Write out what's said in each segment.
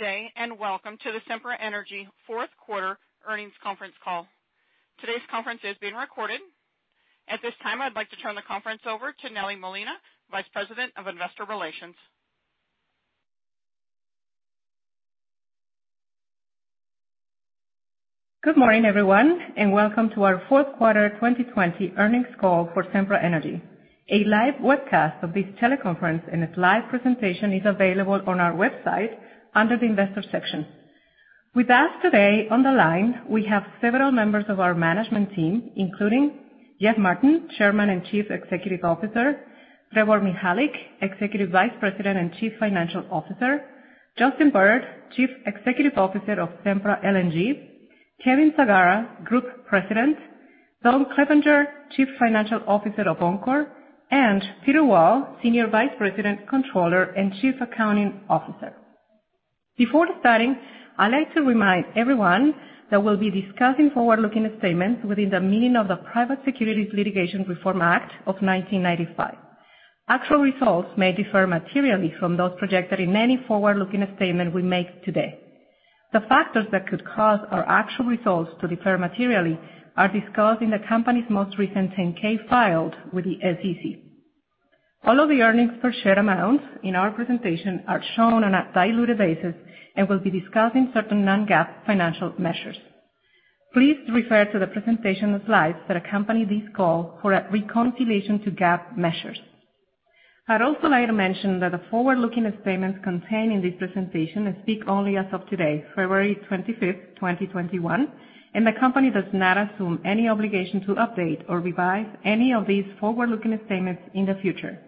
Good day, and welcome to the Sempra Energy fourth quarter earnings conference call. Today's conference is being recorded. At this time, I'd like to turn the conference over to Nelly Molina, Vice President of Investor Relations. Good morning, everyone, and welcome to our fourth quarter 2020 earnings call for Sempra Energy. A live webcast of this teleconference and a live presentation is available on our website under the investor section. With us today on the line, we have several members of our management team, including Jeff Martin, Chairman and Chief Executive Officer, Trevor Mihalik, Executive Vice President and Chief Financial Officer, Justin Bird, Chief Executive Officer of Sempra LNG, Kevin Sagara, Group President, Don Clevenger, Chief Financial Officer of Oncor, and Peter Wall, Senior Vice President, Controller and Chief Accounting Officer. Before starting, I'd like to remind everyone that we'll be discussing forward-looking statements within the meaning of the Private Securities Litigation Reform Act of 1995. Actual results may differ materially from those projected in any forward-looking statement we make today. The factors that could cause our actual results to differ materially are discussed in the company's most recent 10-K filed with the SEC. All of the earnings per share amounts in our presentation are shown on a diluted basis and will be discussing certain non-GAAP financial measures. Please refer to the presentation slides that accompany this call for a reconciliation to GAAP measures. I'd also like to mention that the forward-looking statements contained in this presentation speak only as of today, February 25th, 2021. The company does not assume any obligation to update or revise any of these forward-looking statements in the future.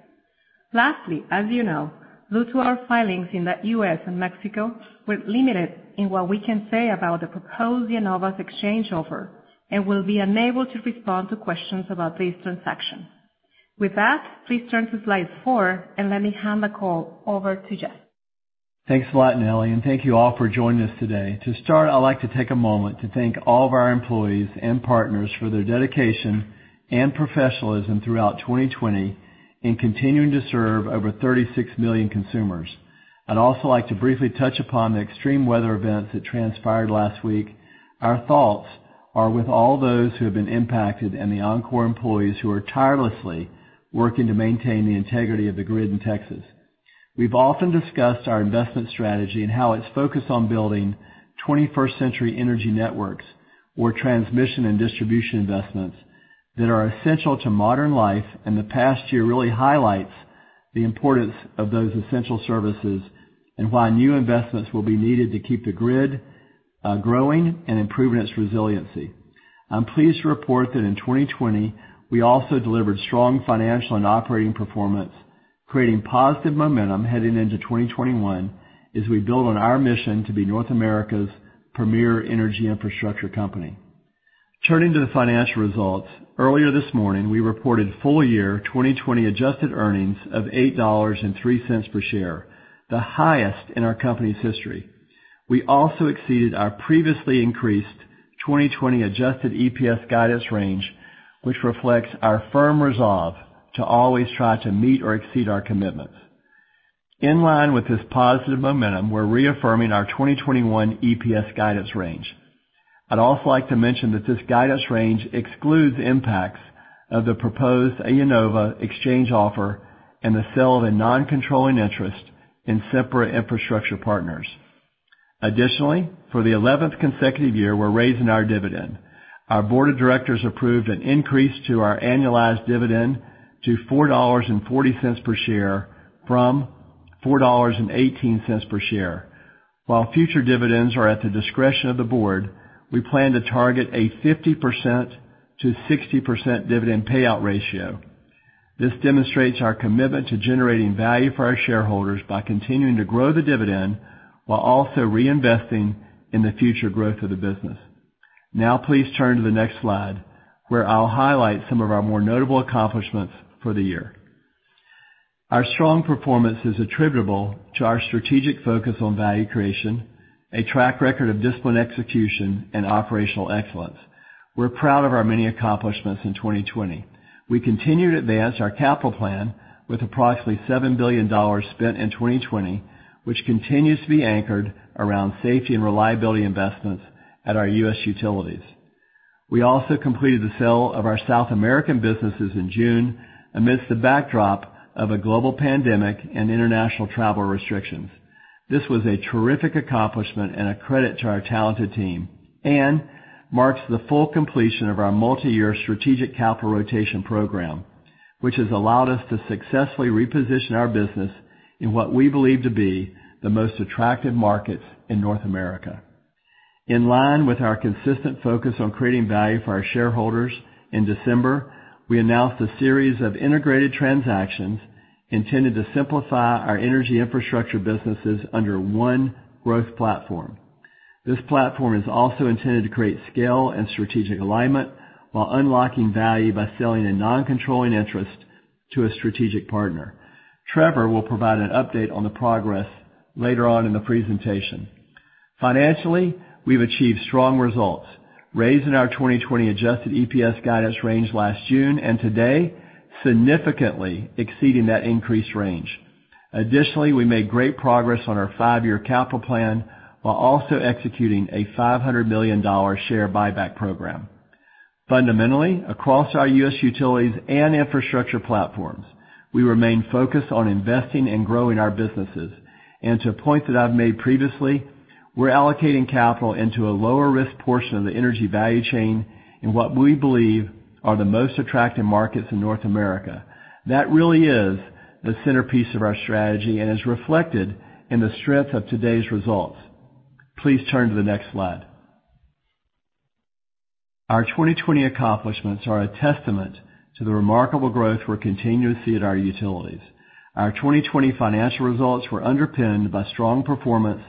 Lastly, as you know, due to our filings in the U.S. and Mexico, we're limited in what we can say about the proposed IEnova exchange offer and will be unable to respond to questions about this transaction. With that, please turn to slide four and let me hand the call over to Jeff. Thanks a lot, Nelly, and thank you all for joining us today. To start, I'd like to take a moment to thank all of our employees and partners for their dedication and professionalism throughout 2020 in continuing to serve over 36 million consumers. I'd also like to briefly touch upon the extreme weather events that transpired last week. Our thoughts are with all those who have been impacted and the Oncor employees who are tirelessly working to maintain the integrity of the grid in Texas. We've often discussed our investment strategy and how it's focused on building 21st century energy networks or transmission and distribution investments that are essential to modern life, and the past year really highlights the importance of those essential services and why new investments will be needed to keep the grid growing and improving its resiliency. I'm pleased to report that in 2020, we also delivered strong financial and operating performance, creating positive momentum heading into 2021 as we build on our mission to be North America's premier energy infrastructure company. Turning to the financial results, earlier this morning, we reported full year 2020 adjusted earnings of $8.03 per share, the highest in our company's history. We also exceeded our previously increased 2020 adjusted EPS guidance range, which reflects our firm resolve to always try to meet or exceed our commitments. In line with this positive momentum, we're reaffirming our 2021 EPS guidance range. I'd also like to mention that this guidance range excludes impacts of the proposed IEnova exchange offer and the sale of a non-controlling interest in Sempra Infrastructure Partners. Additionally, for the 11th consecutive year, we're raising our dividend. Our board of directors approved an increase to our annualized dividend to $4.40 per share from $4.18 per share. While future dividends are at the discretion of the board, we plan to target a 50%-60% dividend payout ratio. This demonstrates our commitment to generating value for our shareholders by continuing to grow the dividend while also reinvesting in the future growth of the business. Now, please turn to the next slide, where I'll highlight some of our more notable accomplishments for the year. Our strong performance is attributable to our strategic focus on value creation, a track record of disciplined execution, and operational excellence. We're proud of our many accomplishments in 2020. We continue to advance our capital plan with approximately $7 billion spent in 2020, which continues to be anchored around safety and reliability investments at our U.S. utilities. We also completed the sale of our South American businesses in June amidst the backdrop of a global pandemic and international travel restrictions. This was a terrific accomplishment and a credit to our talented team and marks the full completion of our multi-year strategic capital rotation program, which has allowed us to successfully reposition our business in what we believe to be the most attractive markets in North America. In line with our consistent focus on creating value for our shareholders, in December, we announced a series of integrated transactions intended to simplify our energy infrastructure businesses under one growth platform. This platform is also intended to create scale and strategic alignment while unlocking value by selling a non-controlling interest to a strategic partner. Trevor will provide an update on the progress later on in the presentation. Financially, we've achieved strong results, raising our 2020 adjusted EPS guidance range last June and today, significantly exceeding that increased range. Additionally, we made great progress on our five-year capital plan while also executing a $500 million share buyback program. Fundamentally, across our U.S. utilities and infrastructure platforms, we remain focused on investing and growing our businesses. To a point that I've made previously, we're allocating capital into a lower-risk portion of the energy value chain in what we believe are the most attractive markets in North America. That really is the centerpiece of our strategy and is reflected in the strength of today's results. Please turn to the next slide. Our 2020 accomplishments are a testament to the remarkable growth we're continuing to see at our utilities. Our 2020 financial results were underpinned by strong performance,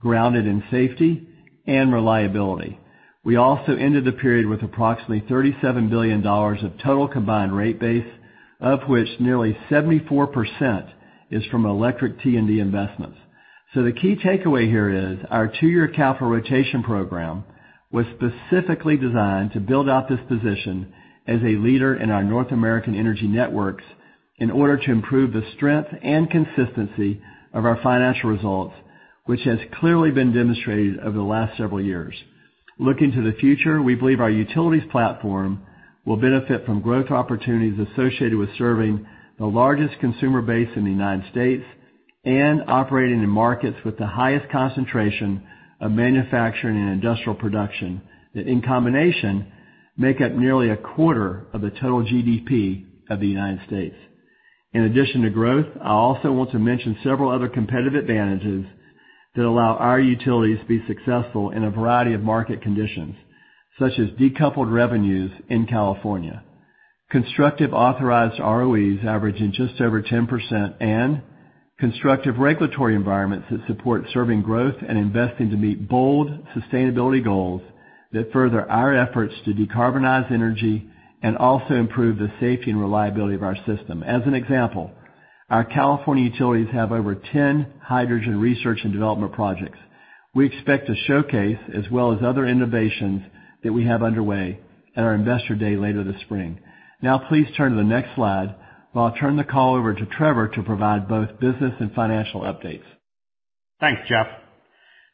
grounded in safety and reliability. We also ended the period with approximately $37 billion of total combined rate base, of which nearly 74% is from electric T&D investments. The key takeaway here is our two-year capital rotation program was specifically designed to build out this position as a leader in our North American energy networks in order to improve the strength and consistency of our financial results, which has clearly been demonstrated over the last several years. Looking to the future, we believe our utilities platform will benefit from growth opportunities associated with serving the largest consumer base in the U.S. and operating in markets with the highest concentration of manufacturing and industrial production. That in combination, make up nearly a quarter of the total GDP of the U.S. In addition to growth, I also want to mention several other competitive advantages that allow our utilities to be successful in a variety of market conditions, such as decoupled revenues in California, constructive authorized ROEs averaging just over 10%, and constructive regulatory environments that support serving growth and investing to meet bold sustainability goals that further our efforts to decarbonize energy and also improve the safety and reliability of our system. As an example, our California utilities have over 10 hydrogen research and development projects. We expect to showcase, as well as other innovations that we have underway at our investor day later this spring. Please turn to the next slide while I turn the call over to Trevor to provide both business and financial updates. Thanks, Jeff.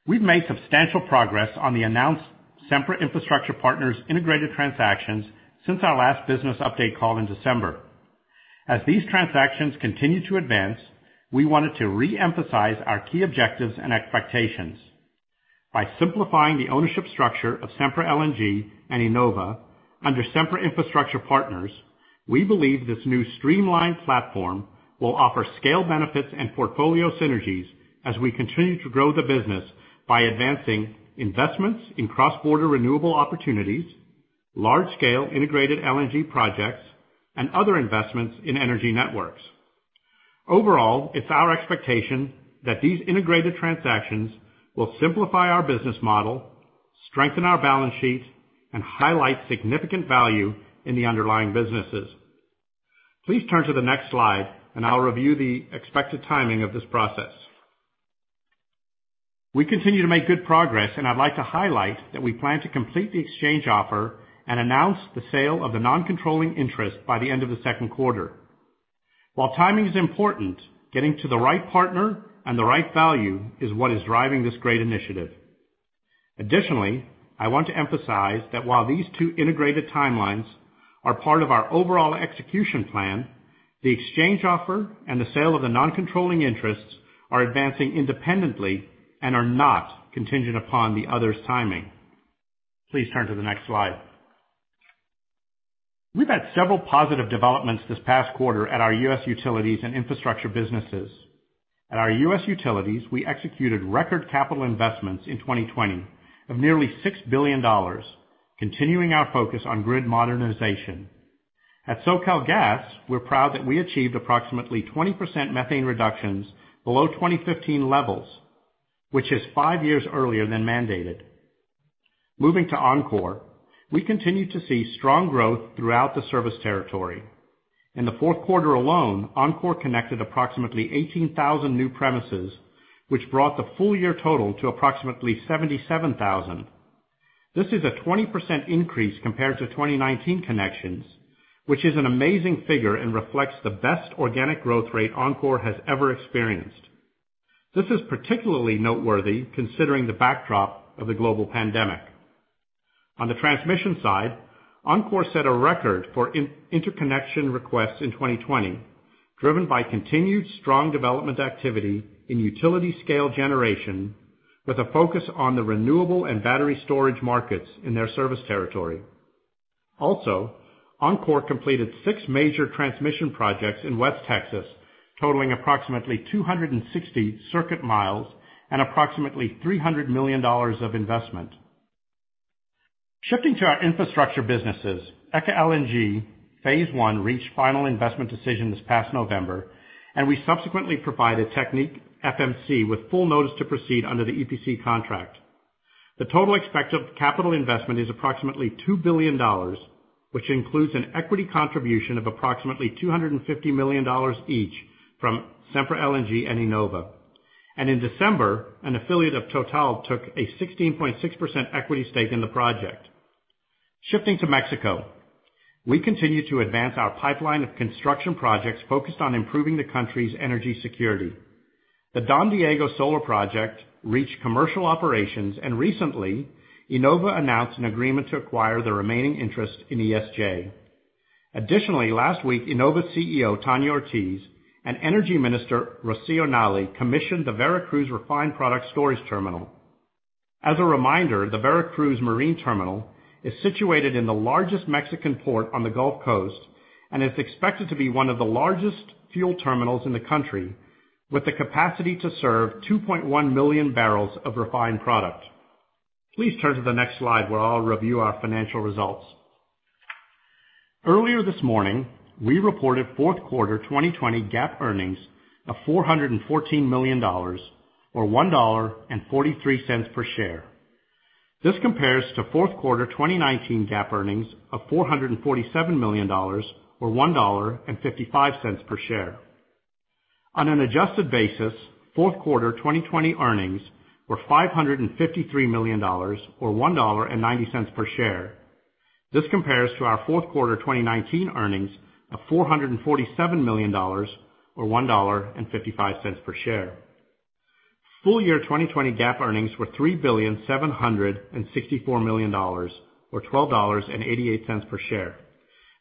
We've made substantial progress on the announced Sempra Infrastructure Partners integrated transactions since our last business update call in December. These transactions continue to advance, we wanted to reemphasize our key objectives and expectations. By simplifying the ownership structure of Sempra LNG and IEnova under Sempra Infrastructure Partners, we believe this new streamlined platform will offer scale benefits and portfolio synergies as we continue to grow the business by advancing investments in cross-border renewable opportunities, large-scale integrated LNG projects, and other investments in energy networks. Overall, it's our expectation that these integrated transactions will simplify our business model, strengthen our balance sheet, and highlight significant value in the underlying businesses. Please turn to the next slide and I'll review the expected timing of this process. We continue to make good progress, and I'd like to highlight that we plan to complete the exchange offer and announce the sale of the non-controlling interest by the end of the second quarter. While timing is important, getting to the right partner and the right value is what is driving this great initiative. Additionally, I want to emphasize that while these two integrated timelines are part of our overall execution plan, the exchange offer and the sale of the non-controlling interests are advancing independently and are not contingent upon the other's timing. Please turn to the next slide. We've had several positive developments this past quarter at our U.S. utilities and infrastructure businesses. At our U.S. utilities, we executed record capital investments in 2020 of nearly $6 billion, continuing our focus on grid modernization. At SoCalGas, we're proud that we achieved approximately 20% methane reductions below 2015 levels, which is five years earlier than mandated. Moving to Oncor, we continue to see strong growth throughout the service territory. In the fourth quarter alone, Oncor connected approximately 18,000 new premises, which brought the full-year total to approximately 77,000. This is a 20% increase compared to 2019 connections, which is an amazing figure and reflects the best organic growth rate Oncor has ever experienced. This is particularly noteworthy considering the backdrop of the global pandemic. On the transmission side, Oncor set a record for interconnection requests in 2020, driven by continued strong development activity in utility-scale generation with a focus on the renewable and battery storage markets in their service territory. Oncor completed six major transmission projects in West Texas, totaling approximately 260 circuit miles and approximately $300 million of investment. Shifting to our infrastructure businesses, ECA LNG Phase One reached Final Investment Decision this past November, and we subsequently provided TechnipFMC with full notice to proceed under the EPC contract. The total expected capital investment is approximately $2 billion, which includes an equity contribution of approximately $250 million each from Sempra LNG and IEnova. In December, an affiliate of Total took a 16.6% equity stake in the project. Shifting to Mexico, we continue to advance our pipeline of construction projects focused on improving the country's energy security. The Don Diego Solar Project reached commercial operations, and recently, IEnova announced an agreement to acquire the remaining interest in ESJ. Additionally, last week, IEnova's CEO, Tania Ortiz, and Energy Minister Rocío Nahle commissioned the Veracruz Refined Products Terminal. As a reminder, the Veracruz Marine Terminal is situated in the largest Mexican port on the Gulf Coast and is expected to be one of the largest fuel terminals in the country, with the capacity to serve 2.1 million barrels of refined product. Please turn to the next slide where I'll review our financial results. Earlier this morning, we reported fourth quarter 2020 GAAP earnings of $414 million, or $1.43 per share. This compares to fourth quarter 2019 GAAP earnings of $447 million, or $1.55 per share. On an adjusted basis, fourth quarter 2020 earnings were $553 million, or $1.90 per share. This compares to our fourth quarter 2019 earnings of $447 million, or $1.55 per share. Full year 2020 GAAP earnings were $3,764,000,000, or $12.88 per share.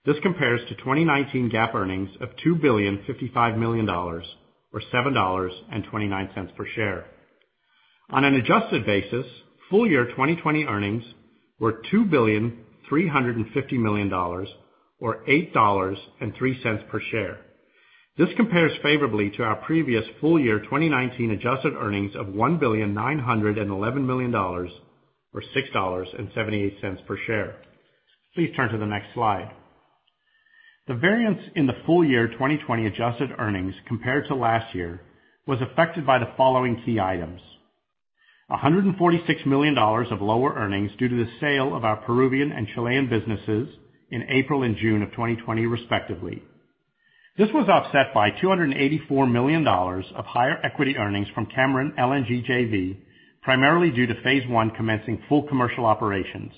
This compares to 2019 GAAP earnings of $2,055,000,000, or $7.29 per share. On an adjusted basis, full year 2020 earnings were $2.35 billion, or $8.03 per share. This compares favorably to our previous full year 2019 adjusted earnings of $1.911 billion, or $6.78 per share. Please turn to the next slide. The variance in the full year 2020 adjusted earnings compared to last year was affected by the following key items. $146 million of lower earnings due to the sale of our Peruvian and Chilean businesses in April and June of 2020, respectively. This was offset by $284 million of higher equity earnings from Cameron LNG JV, primarily due to phase I commencing full commercial operations.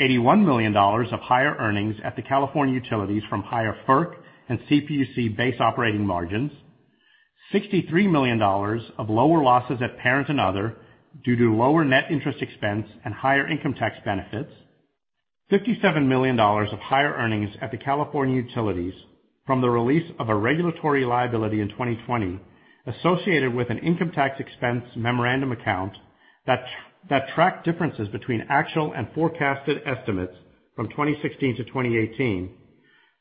$81 million of higher earnings at the California utilities from higher FERC and CPUC base operating margins. $63 million of lower losses at Parent and Other due to lower net interest expense and higher income tax benefits. $57 million of higher earnings at the California utilities from the release of a regulatory liability in 2020 associated with an income tax expense memorandum account that tracked differences between actual and forecasted estimates from 2016 to 2018,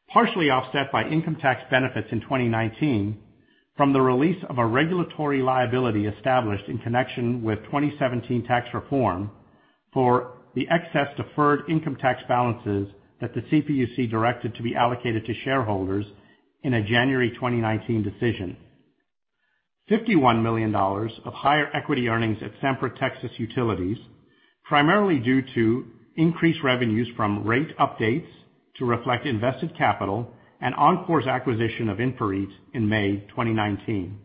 partially offset by income tax benefits in 2019 from the release of a regulatory liability established in connection with 2017 tax reform for the excess deferred income tax balances that the CPUC directed to be allocated to shareholders in a January 2019 decision. $51 million of higher equity earnings at Sempra Texas Utilities, primarily due to increased revenues from rate updates to reflect invested capital and Oncor's acquisition of InfraREIT in May 2019.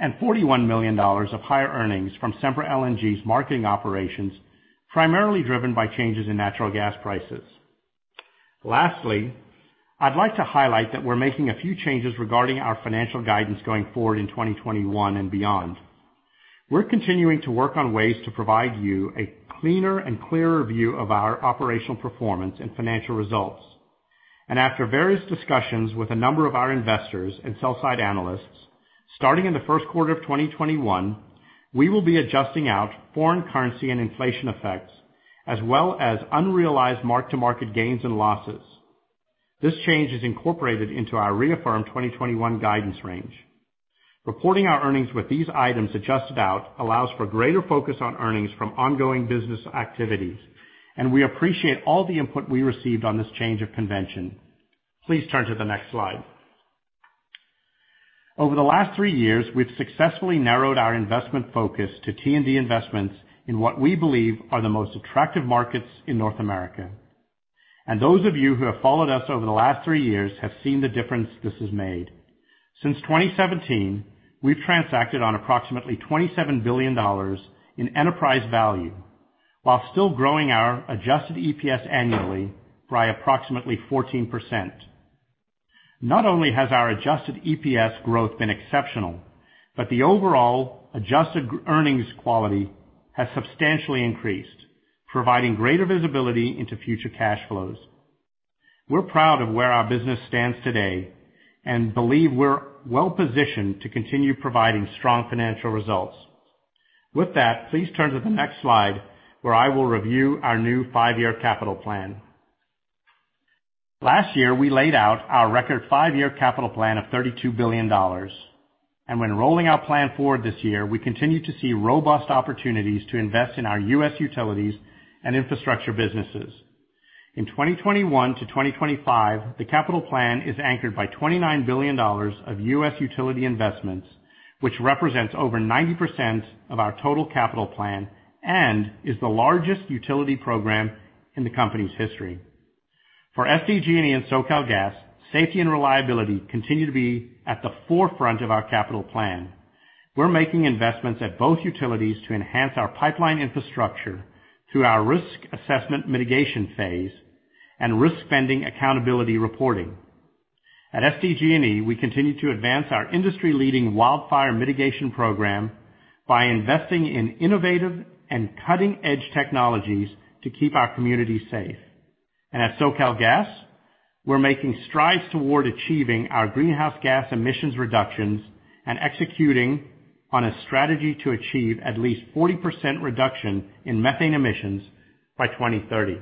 $41 million of higher earnings from Sempra LNG's marketing operations, primarily driven by changes in natural gas prices. Lastly, I'd like to highlight that we're making a few changes regarding our financial guidance going forward in 2021 and beyond. We're continuing to work on ways to provide you a cleaner and clearer view of our operational performance and financial results. After various discussions with a number of our investors and sell-side analysts, starting in the first quarter of 2021, we will be adjusting out foreign currency and inflation effects, as well as unrealized mark-to-market gains and losses. This change is incorporated into our reaffirmed 2021 guidance range. Reporting our earnings with these items adjusted out allows for greater focus on earnings from ongoing business activities. We appreciate all the input we received on this change of convention. Please turn to the next slide. Over the last three years, we've successfully narrowed our investment focus to T&D investments in what we believe are the most attractive markets in North America. Those of you who have followed us over the last three years have seen the difference this has made. Since 2017, we've transacted on approximately $27 billion in enterprise value while still growing our adjusted EPS annually by approximately 14%. Not only has our adjusted EPS growth been exceptional, but the overall adjusted earnings quality has substantially increased, providing greater visibility into future cash flows. We're proud of where our business stands today and believe we're well-positioned to continue providing strong financial results. With that, please turn to the next slide, where I will review our new five-year capital plan. Last year, we laid out our record five-year capital plan of $32 billion. When rolling our plan forward this year, we continue to see robust opportunities to invest in our U.S. utilities and infrastructure businesses. In 2021 to 2025, the capital plan is anchored by $29 billion of U.S. utility investments, which represents over 90% of our total capital plan and is the largest utility program in the company's history. For SDG&E and SoCalGas, safety and reliability continue to be at the forefront of our capital plan. We're making investments at both utilities to enhance our pipeline infrastructure through our Risk Assessment and Mitigation Phase and Risk Spending and Accountability Report. At SDG&E, we continue to advance our industry-leading Wildfire Mitigation Program by investing in innovative and cutting-edge technologies to keep our community safe. At SoCalGas, we're making strides toward achieving our greenhouse gas emissions reductions and executing on a strategy to achieve at least 40% reduction in methane emissions by 2030.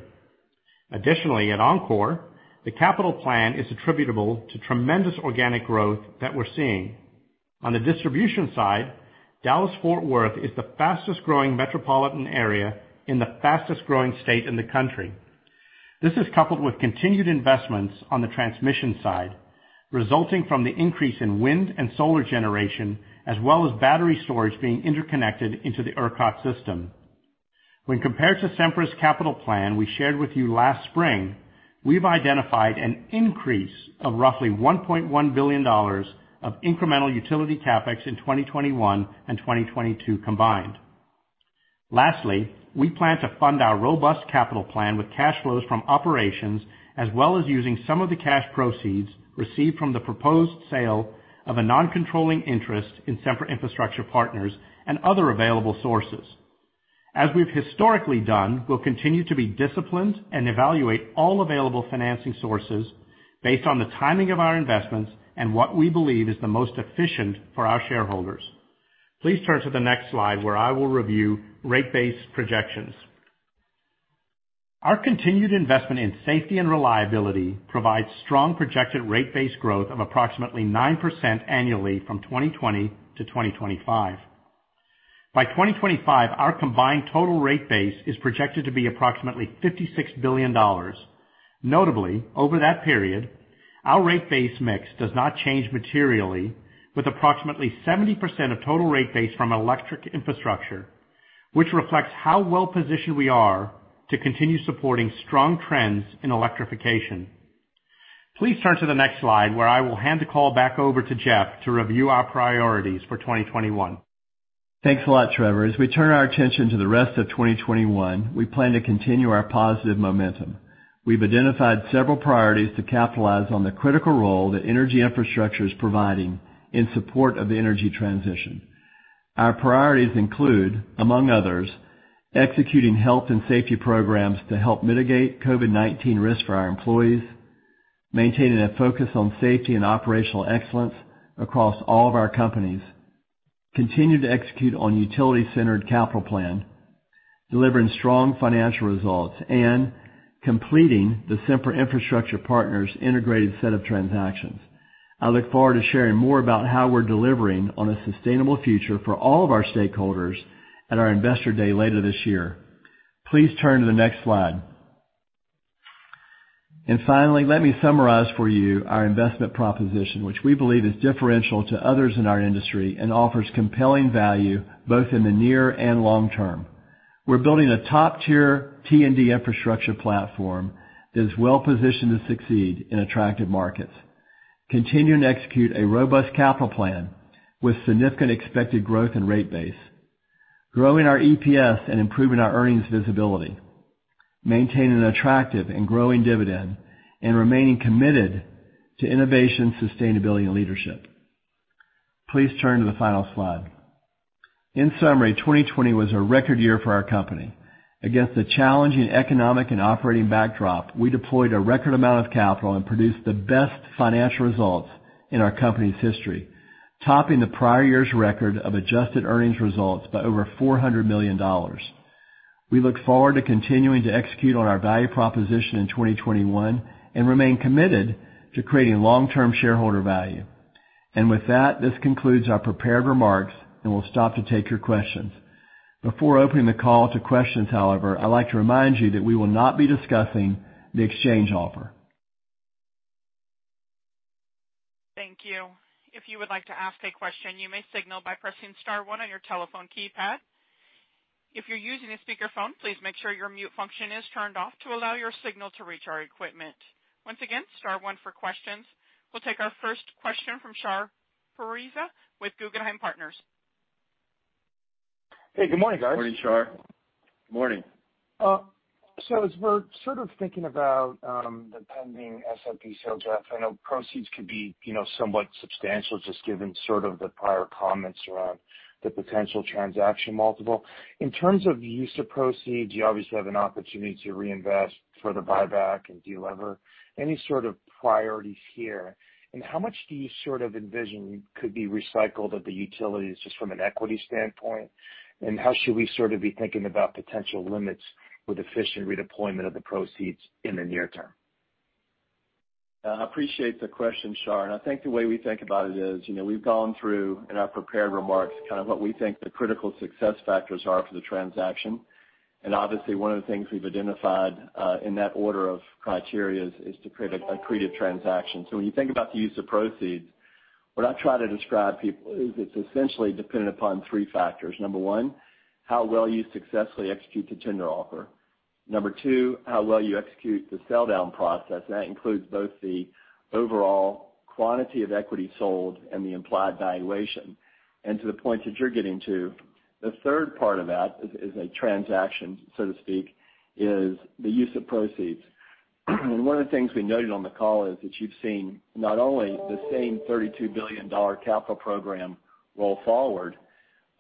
Additionally, at Oncor, the capital plan is attributable to tremendous organic growth that we're seeing. On the distribution side, Dallas-Fort Worth is the fastest-growing metropolitan area in the fastest-growing state in the country. This is coupled with continued investments on the transmission side, resulting from the increase in wind and solar generation, as well as battery storage being interconnected into the ERCOT system. When compared to Sempra's capital plan we shared with you last spring, we've identified an increase of roughly $1.1 billion of incremental utility CapEx in 2021 and 2022 combined. Lastly, we plan to fund our robust capital plan with cash flows from operations, as well as using some of the cash proceeds received from the proposed sale of a non-controlling interest in Sempra Infrastructure Partners and other available sources. As we've historically done, we'll continue to be disciplined and evaluate all available financing sources based on the timing of our investments and what we believe is the most efficient for our shareholders. Please turn to the next slide, where I will review rate base projections. Our continued investment in safety and reliability provides strong projected rate base growth of approximately 9% annually from 2020 to 2025. By 2025, our combined total rate base is projected to be approximately $56 billion. Notably, over that period, our rate base mix does not change materially with approximately 70% of total rate base from electric infrastructure, which reflects how well-positioned we are to continue supporting strong trends in electrification. Please turn to the next slide, where I will hand the call back over to Jeff to review our priorities for 2021. Thanks a lot, Trevor. As we turn our attention to the rest of 2021, we plan to continue our positive momentum. We've identified several priorities to capitalize on the critical role that energy infrastructure is providing in support of the energy transition. Our priorities include, among others, executing health and safety programs to help mitigate COVID-19 risk for our employees, maintaining a focus on safety and operational excellence across all of our companies, continue to execute on utility-centered capital plan, delivering strong financial results, and completing the Sempra Infrastructure Partners' integrated set of transactions. I look forward to sharing more about how we're delivering on a sustainable future for all of our stakeholders at our investor day later this year. Please turn to the next slide. Finally, let me summarize for you our investment proposition, which we believe is differential to others in our industry and offers compelling value both in the near and long term. We're building a top-tier T&D infrastructure platform that is well-positioned to succeed in attractive markets. Continuing to execute a robust capital plan with significant expected growth and rate base. Growing our EPS and improving our earnings visibility. Maintaining an attractive and growing dividend. Remaining committed to innovation, sustainability, and leadership. Please turn to the final slide. In summary, 2020 was a record year for our company. Against a challenging economic and operating backdrop, we deployed a record amount of capital and produced the best financial results in our company's history, topping the prior year's record of adjusted earnings results by over $400 million. We look forward to continuing to execute on our value proposition in 2021 and remain committed to creating long-term shareholder value. With that, this concludes our prepared remarks. We'll stop to take your questions. Before opening the call to questions, however, I'd like to remind you that we will not be discussing the exchange offer. Thank you. If you would like to ask a question, you may signal by pressing star one on your telephone keypad. If you're using a speakerphone, please make sure your mute function is turned off to allow your signal to reach our equipment. Once again, star one for questions. We will take our first question from Shar Pourreza with Guggenheim Partners. Hey, good morning, guys. Morning, Shar. Morning. As we're sort of thinking about the pending SIP sale, Jeff, I know proceeds could be somewhat substantial just given sort of the prior comments around the potential transaction multiple. In terms of use of proceeds, you obviously have an opportunity to reinvest, further buyback, and de-lever. Any sort of priorities here? How much do you sort of envision could be recycled at the utilities just from an equity standpoint? How should we sort of be thinking about potential limits with efficient redeployment of the proceeds in the near term? I appreciate the question, Shar. I think the way we think about it is, we've gone through, in our prepared remarks, kind of what we think the critical success factors are for the transaction. Obviously one of the things we've identified, in that order of criteria, is to create accretive transaction. When you think about the use of proceeds, what I try to describe, people, is it's essentially dependent upon three factors. Number one, how well you successfully execute the tender offer. Number two, how well you execute the sell down process. That includes both the overall quantity of equity sold and the implied valuation. To the point that you're getting to, the third part of that is, a transaction so to speak, is the use of proceeds. One of the things we noted on the call is that you've seen not only the same $32 billion capital program roll forward,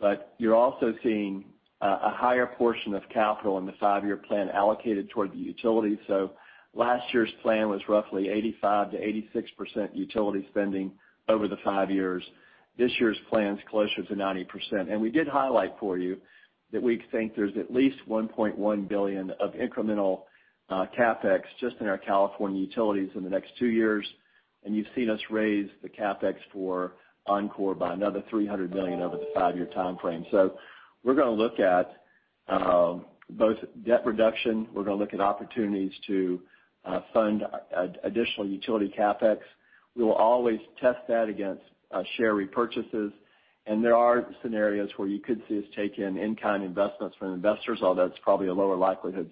but you're also seeing a higher portion of capital in the five-year plan allocated toward the utility. Last year's plan was roughly 85%-86% utility spending over the five years. This year's plan is closer to 90%. We did highlight for you that we think there's at least $1.1 billion of incremental CapEx just in our California utilities in the next two years. You've seen us raise the CapEx for Oncor by another $300 million over the five-year timeframe. We're going to look at both debt reduction, we're going to look at opportunities to fund additional utility CapEx. We will always test that against share repurchases. There are scenarios where you could see us take in in-kind investments from investors, although that's probably a lower likelihood.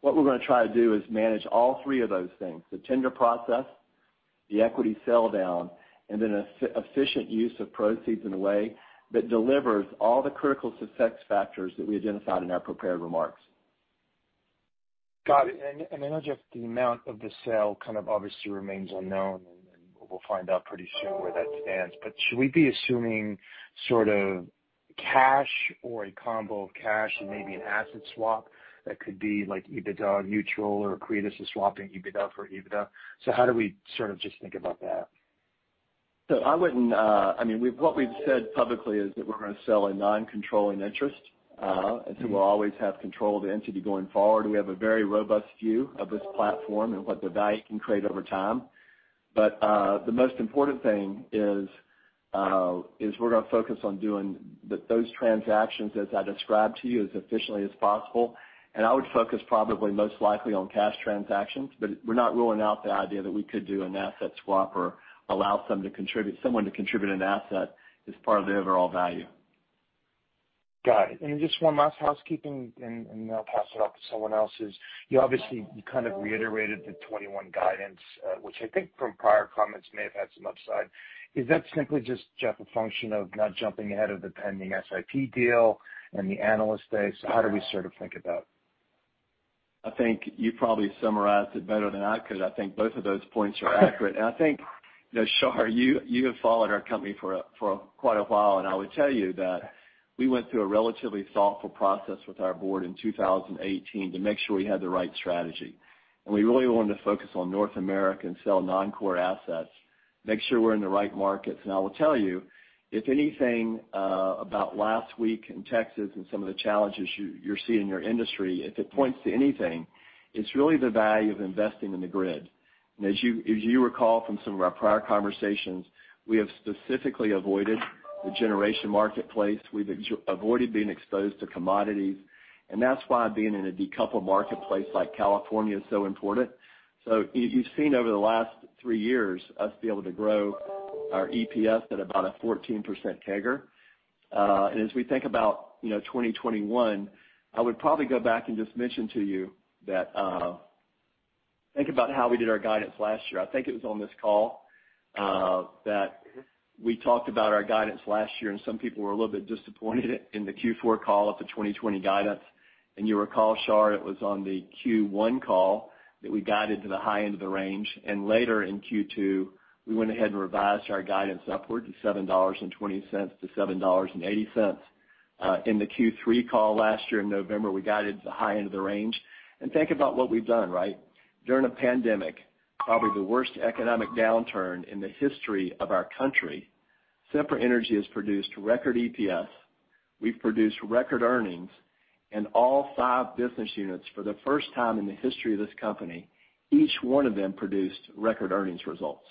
What we're going to try to do is manage all three of those things, the tender process, the equity sell down, and then an efficient use of proceeds in a way that delivers all the critical success factors that we identified in our prepared remarks. Got it. I know, Jeff, the amount of the sale kind of obviously remains unknown, and we'll find out pretty soon where that stands. Should we be assuming sort of cash or a combo of cash and maybe an asset swap that could be like EBITDA neutral or accretive swapping EBITDA for EBITDA? How do we sort of just think about that? What we've said publicly is that we're going to sell a non-controlling interest, we'll always have control of the entity going forward. We have a very robust view of this platform and what the value can create over time. The most important thing is we're going to focus on doing those transactions as I described to you as efficiently as possible. I would focus probably most likely on cash transactions, but we're not ruling out the idea that we could do an asset swap or allow someone to contribute an asset as part of the overall value. Got it. Just one last housekeeping, and then I'll pass it off to someone else, is you obviously kind of reiterated the 2021 guidance, which I think from prior comments may have had some upside. Is that simply just, Jeff, a function of not jumping ahead of the pending SIP deal and the Analyst Day? How do we sort of think about it? I think you probably summarized it better than I could. I think both of those points are accurate. I think, Shar, you have followed our company for quite a while, and I would tell you that we went through a relatively thoughtful process with our board in 2018 to make sure we had the right strategy. We really wanted to focus on North America and sell non-core assets, make sure we're in the right markets. I will tell you, if anything, about last week in Texas and some of the challenges you're seeing in your industry, if it points to anything, it's really the value of investing in the grid. As you recall from some of our prior conversations, we have specifically avoided the generation marketplace. We've avoided being exposed to commodities, and that's why being in a decoupled marketplace like California is so important. You've seen over the last three years us be able to grow our EPS at about a 14% CAGR. As we think about 2021, I would probably go back and just mention to you that, think about how we did our guidance last year. I think it was on this call that we talked about our guidance last year, and some people were a little bit disappointed in the Q4 call of the 2020 guidance. You recall, Shar, it was on the Q1 call that we guided to the high end of the range. Later in Q2, we went ahead and revised our guidance upward to $7.20-$7.80. In the Q3 call last year in November, we guided the high end of the range. Think about what we've done. During a pandemic, probably the worst economic downturn in the history of our country, Sempra Energy has produced record EPS, we've produced record earnings in all five business units for the first time in the history of this company, each one of them produced record earnings results.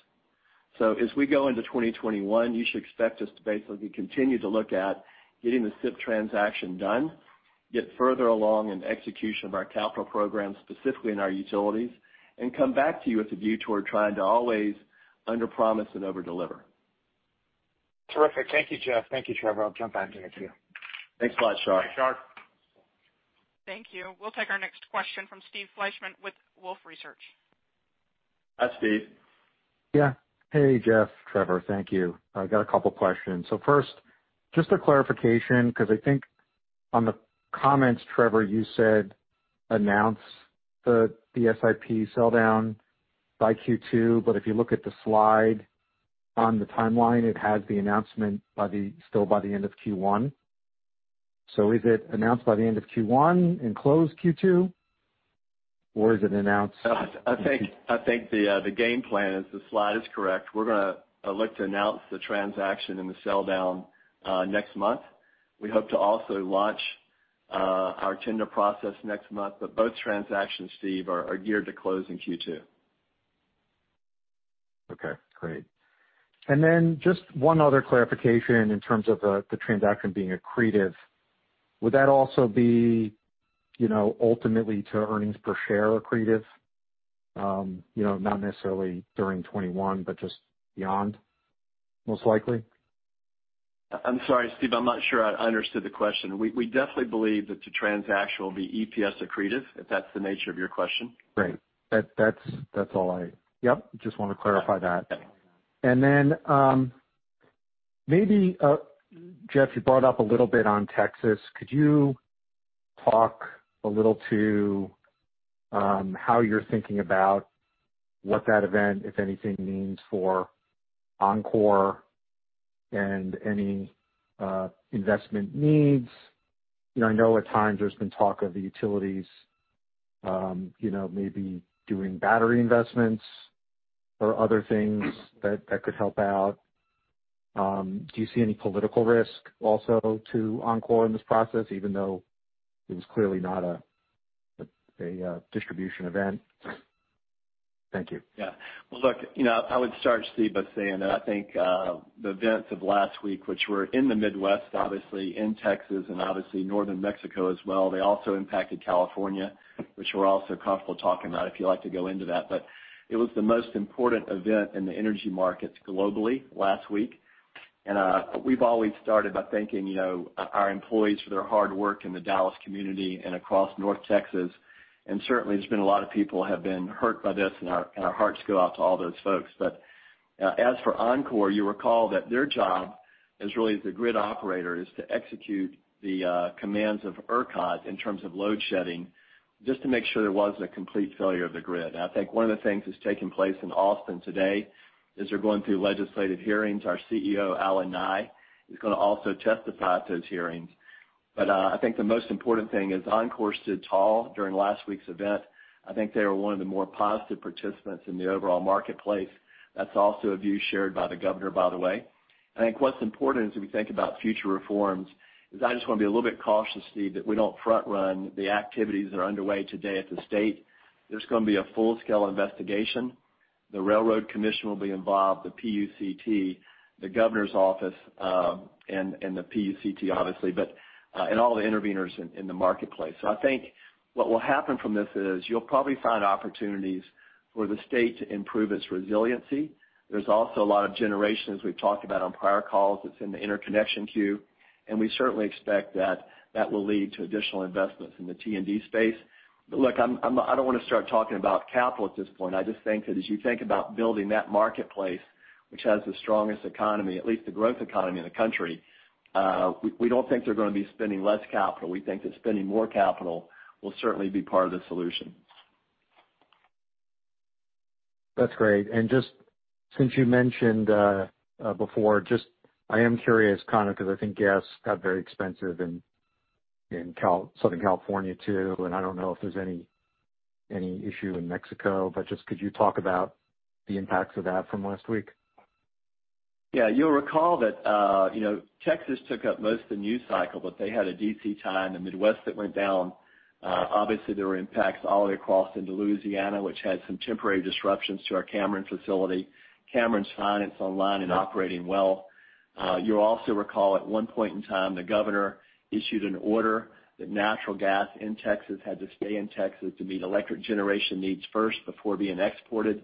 As we go into 2021, you should expect us to basically continue to look at getting the SIP transaction done, get further along in execution of our capital program, specifically in our utilities, and come back to you with a view toward trying to always underpromise and overdeliver. Terrific. Thank you, Jeff. Thank you, Trevor. I'll jump back in the queue. Thanks a lot, Shar. Bye, Shar. Thank you. We'll take our next question from Steve Fleishman with Wolfe Research. Hi, Steve. Hey, Jeff, Trevor. Thank you. I got a couple questions. First, just a clarification because I think on the comments, Trevor, you said announce the SIP sell down by Q2, but if you look at the slide on the timeline, it has the announcement still by the end of Q1. Is it announced by the end of Q1 and closed Q2? Or is it announced? I think the game plan is the slide is correct. We're going to look to announce the transaction and the sell down next month. We hope to also launch our tender process next month. Both transactions, Steve, are geared to close in Q2. Okay, great. Then just one other clarification in terms of the transaction being accretive. Would that also be ultimately to earnings per share accretive? Not necessarily during 2021, but just beyond, most likely? I'm sorry, Steve, I'm not sure I understood the question. We definitely believe that the transaction will be EPS accretive, if that's the nature of your question. Great. That's all. Yep, just wanted to clarify that. Yeah. Maybe, Jeff, you brought up a little bit on Texas. Could you talk a little to how you're thinking about what that event, if anything, means for Oncor and any investment needs? I know at times there's been talk of the utilities maybe doing battery investments or other things that could help out. Do you see any political risk also to Oncor in this process, even though it was clearly not a distribution event? Thank you. Well, look, I would start, Steve, by saying that I think, the events of last week, which were in the Midwest, obviously in Texas, and obviously northern Mexico as well, they also impacted California, which we're also comfortable talking about if you'd like to go into that. It was the most important event in the energy markets globally last week. We've always started by thanking our employees for their hard work in the Dallas community and across North Texas. Certainly, there's been a lot of people have been hurt by this, and our hearts go out to all those folks. As for Oncor, you recall that their job as really as the grid operator is to execute the commands of ERCOT in terms of load shedding, just to make sure there wasn't a complete failure of the grid. I think one of the things that's taken place in Austin today is they're going through legislative hearings. Our CEO, Allen Nye, is going to also testify at those hearings. I think the most important thing is Oncor stood tall during last week's event. I think they were one of the more positive participants in the overall marketplace. That's also a view shared by the governor, by the way. I think what's important as we think about future reforms is I just want to be a little bit cautious, Steve, that we don't front-run the activities that are underway today at the state. There's going to be a full-scale investigation. The Railroad Commission will be involved, the PUCT, the governor's office, and the PUCT obviously, and all the interveners in the marketplace. I think what will happen from this is you'll probably find opportunities for the state to improve its resiliency. There's also a lot of generations we've talked about on prior calls that's in the interconnection queue, and we certainly expect that that will lead to additional investments in the T&D space. Look, I don't want to start talking about capital at this point. I just think that as you think about building that marketplace, which has the strongest economy, at least the growth economy in the country, we don't think they're going to be spending less capital. We think that spending more capital will certainly be part of the solution. That's great. Just since you mentioned before, I am curious kind of because I think gas got very expensive in Southern California too, and I don't know if there's any issue in Mexico, but just could you talk about the impacts of that from last week? You'll recall that Texas took up most of the news cycle, but they had a DC tie in the Midwest that went down. There were impacts all the way across into Louisiana, which had some temporary disruptions to our Cameron facility. Cameron's fine. It's online and operating well. You'll also recall at one point in time, the governor issued an order that natural gas in Texas had to stay in Texas to meet electric generation needs first before being exported.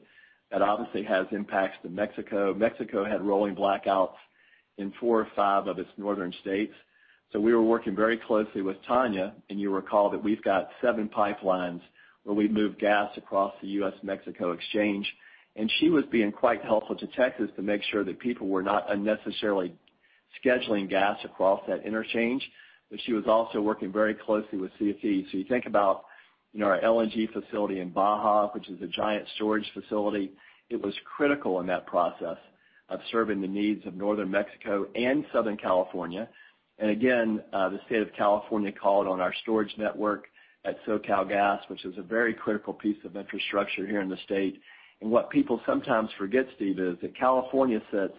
That obviously has impacts to Mexico. Mexico had rolling blackouts in four or five of its northern states. We were working very closely with Tania, and you'll recall that we've got seven pipelines where we move gas across the U.S.-Mexico exchange, and she was being quite helpful to Texas to make sure that people were not unnecessarily scheduling gas across that interchange. She was also working very closely with CFE. You think about our LNG facility in Baja, which is a giant storage facility. It was critical in that process of serving the needs of northern Mexico and southern California. Again, the state of California called on our storage network at SoCalGas, which is a very critical piece of infrastructure here in the state. What people sometimes forget, Steve, is that California sits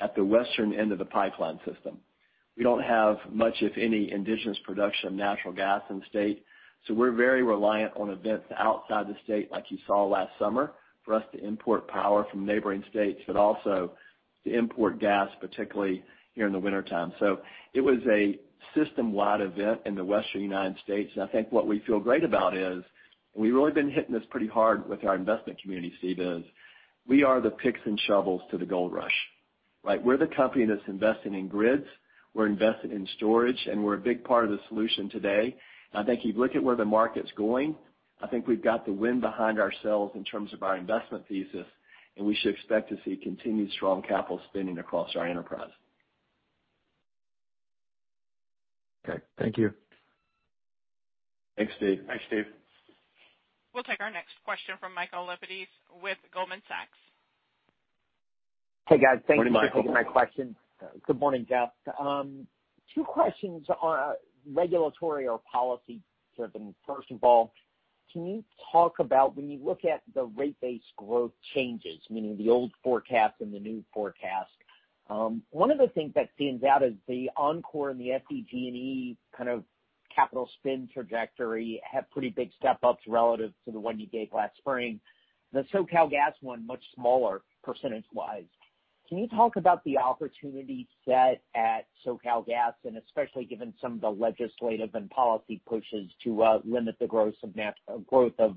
at the western end of the pipeline system. We don't have much, if any, indigenous production of natural gas in the state. We're very reliant on events outside the state, like you saw last summer, for us to import power from neighboring states, but also to import gas, particularly here in the wintertime. It was a system-wide event in the western U.S., I think what we feel great about is, and we've really been hitting this pretty hard with our investment community, Steve, is we are the picks and shovels to the gold rush. We're the company that's investing in grids, we're investing in storage, and we're a big part of the solution today. I think you look at where the market's going, I think we've got the wind behind ourselves in terms of our investment thesis, and we should expect to see continued strong capital spending across our enterprise. Okay. Thank you. Thanks, Steve. Thanks, Steve. We'll take our next question from Michael Lapides with Goldman Sachs. Hey, guys. Morning, Michael. Thanks for taking my question. Good morning, Jeff. Two questions on regulatory or policy driven. First of all, can you talk about when you look at the rate base growth changes, meaning the old forecast and the new forecast, one of the things that stands out is the Oncor and the SDG&E kind of capital spend trajectory have pretty big step-ups relative to the one you gave last spring. The SoCalGas one, much smaller percentage-wise. Can you talk about the opportunity set at SoCalGas and especially given some of the legislative and policy pushes to limit the growth of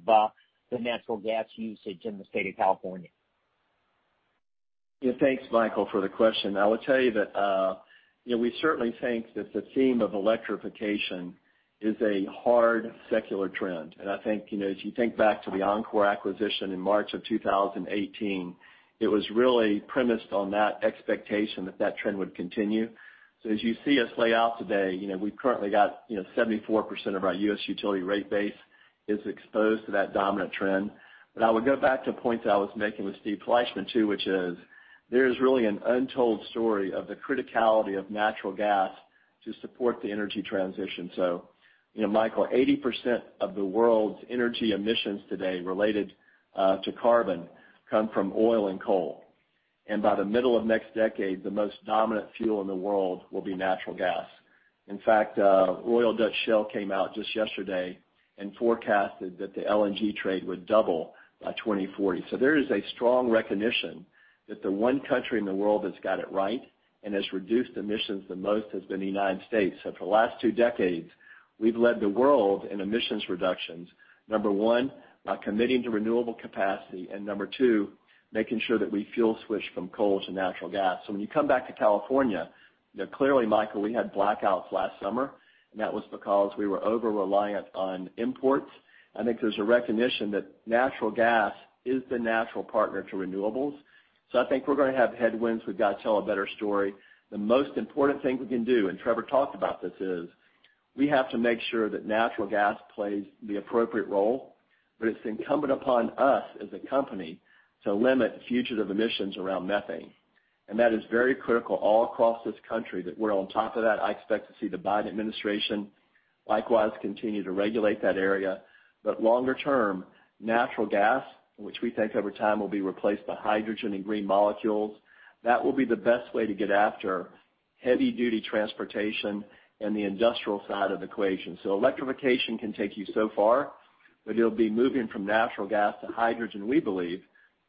the natural gas usage in the state of California? Thanks, Michael, for the question. I will tell you that we certainly think that the theme of electrification is a hard secular trend. I think, as you think back to the Oncor acquisition in March of 2018, it was really premised on that expectation that that trend would continue. As you see us lay out today, we've currently got 74% of our U.S. utility rate base is exposed to that dominant trend. I would go back to points I was making with Steve Fleishman, too, which is there is really an untold story of the criticality of natural gas to support the energy transition. Michael, 80% of the world's energy emissions today related to carbon come from oil and coal. By the middle of next decade, the most dominant fuel in the world will be natural gas. Royal Dutch Shell came out just yesterday and forecasted that the LNG trade would double by 2040. There is a strong recognition that the one country in the world that's got it right and has reduced emissions the most has been the U.S. For the last two decades, we've led the world in emissions reductions, number one, by committing to renewable capacity, and number two, making sure that we fuel switch from coal to natural gas. When you come back to California, clearly, Michael, we had blackouts last summer, and that was because we were over-reliant on imports. I think there's a recognition that natural gas is the natural partner to renewables. I think we're going to have headwinds. We've got to tell a better story. The most important thing we can do, and Trevor talked about this, is we have to make sure that natural gas plays the appropriate role, but it's incumbent upon us as a company to limit fugitive emissions around methane. That is very critical all across this country that we're on top of that. I expect to see the Biden administration, likewise, continue to regulate that area. Longer term, natural gas, which we think over time will be replaced by hydrogen and green molecules, that will be the best way to get after heavy-duty transportation and the industrial side of the equation. Electrification can take you so far, but it'll be moving from natural gas to hydrogen, we believe,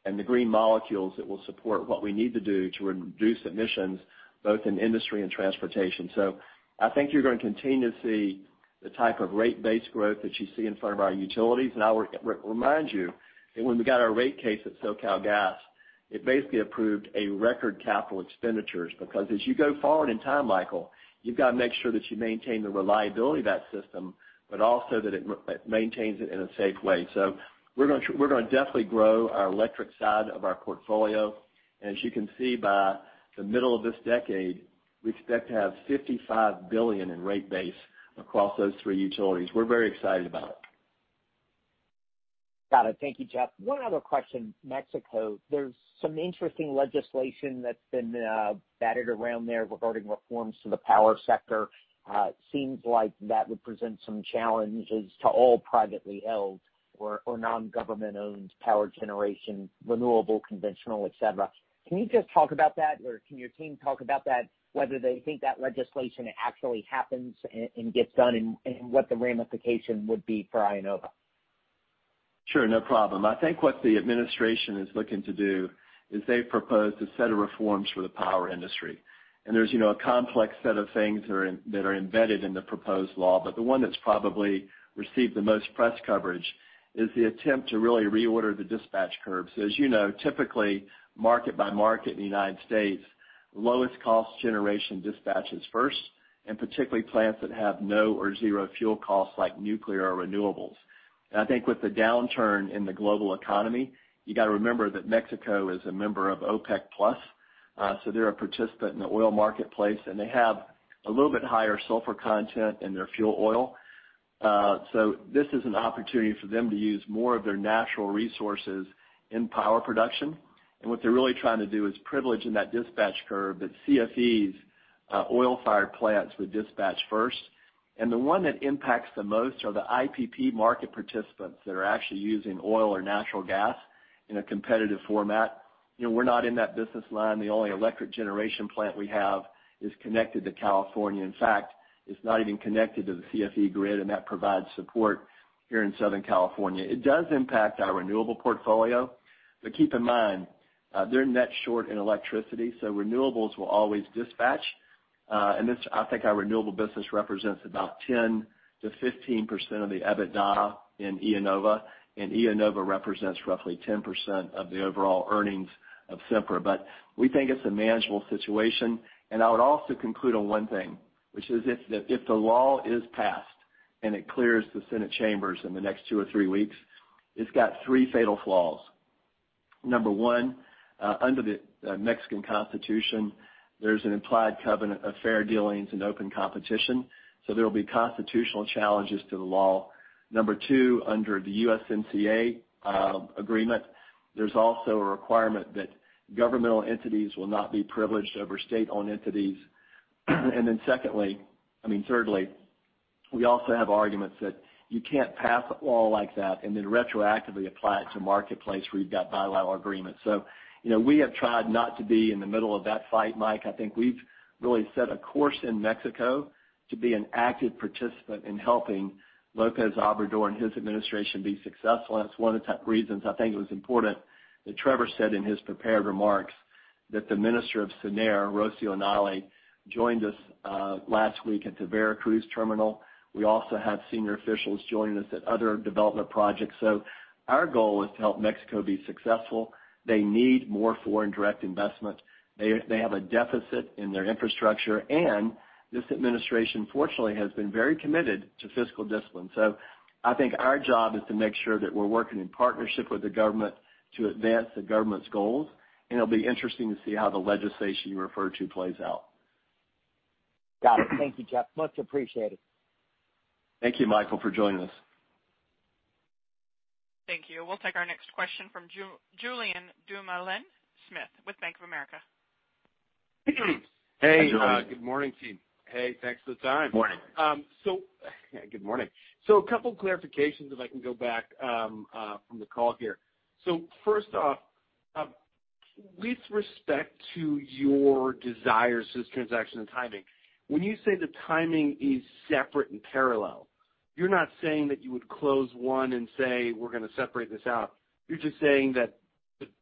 and the green molecules that will support what we need to do to reduce emissions, both in industry and transportation. I think you're going to continue to see the type of rate base growth that you see in front of our utilities. I would remind you that when we got our rate case at SoCalGas, it basically approved a record capital expenditures, because as you go forward in time, Michael, you've got to make sure that you maintain the reliability of that system, but also that it maintains it in a safe way. We're going to definitely grow our electric side of our portfolio. As you can see by the middle of this decade, we expect to have $55 billion in rate base across those three utilities. We're very excited about it. Got it. Thank you, Jeff. One other question. Mexico, there's some interesting legislation that's been batted around there regarding reforms to the power sector. Seems like that would present some challenges to all privately held or non-government-owned power generation, renewable, conventional, et cetera. Can you just talk about that, or can your team talk about that, whether they think that legislation actually happens and gets done and what the ramification would be for IEnova? Sure, no problem. I think what the administration is looking to do is they've proposed a set of reforms for the power industry. There's a complex set of things that are embedded in the proposed law. The one that's probably received the most press coverage is the attempt to really reorder the dispatch curve. As you know, typically, market by market in the U.S., lowest cost generation dispatches first, and particularly plants that have no or zero fuel costs like nuclear or renewables. I think with the downturn in the global economy, you got to remember that Mexico is a member of OPEC+. They're a participant in the oil marketplace, and they have a little bit higher sulfur content in their fuel oil. This is an opportunity for them to use more of their natural resources in power production. What they're really trying to do is privilege in that dispatch curve that CFE's oil-fired plants would dispatch first. The one that impacts the most are the IPP market participants that are actually using oil or natural gas in a competitive format. We're not in that business line. The only electric generation plant we have is connected to California. In fact, it's not even connected to the CFE grid, and that provides support here in Southern California. It does impact our renewable portfolio, but keep in mind, they're net short in electricity, so renewables will always dispatch. I think our renewable business represents about 10%-15% of the EBITDA in IEnova, and IEnova represents roughly 10% of the overall earnings of Sempra. We think it's a manageable situation. I would also conclude on one thing, which is if the law is passed and it clears the Senate chambers in the next two or three weeks, it's got three fatal flaws. Number one, under the Mexican constitution, there's an implied covenant of fair dealings and open competition. There will be constitutional challenges to the law. Number two, under the USMCA agreement, there's also a requirement that governmental entities will not be privileged over state-owned entities. Then thirdly, we also have arguments that you can't pass a law like that and then retroactively apply it to marketplace where we've got bilateral agreements. We have tried not to be in the middle of that fight, Mike. I think we've really set a course in Mexico to be an active participant in helping López Obrador and his administration be successful. It's one of the reasons I think it was important that Trevor said in his prepared remarks that the Minister of SENER, Rocío Nahle, joined us last week at the Veracruz terminal. We also have senior officials joining us at other development projects. Our goal is to help Mexico be successful. They need more foreign direct investment. They have a deficit in their infrastructure, and this administration, fortunately, has been very committed to fiscal discipline. I think our job is to make sure that we're working in partnership with the government to advance the government's goals, and it'll be interesting to see how the legislation you referred to plays out. Got it. Thank you, Jeff. Much appreciated. Thank you, Michael, for joining us. Thank you. We'll take our next question from Julien Dumoulin-Smith with Bank of America. Hey- Hi, Julien. Good morning, team. Hey, thanks for the time. Morning. Good morning. A couple clarifications if I can go back from the call here. First off, with respect to your desires to this transaction and timing, when you say the timing is separate and parallel, you're not saying that you would close one and say, "We're going to separate this out." You're just saying that,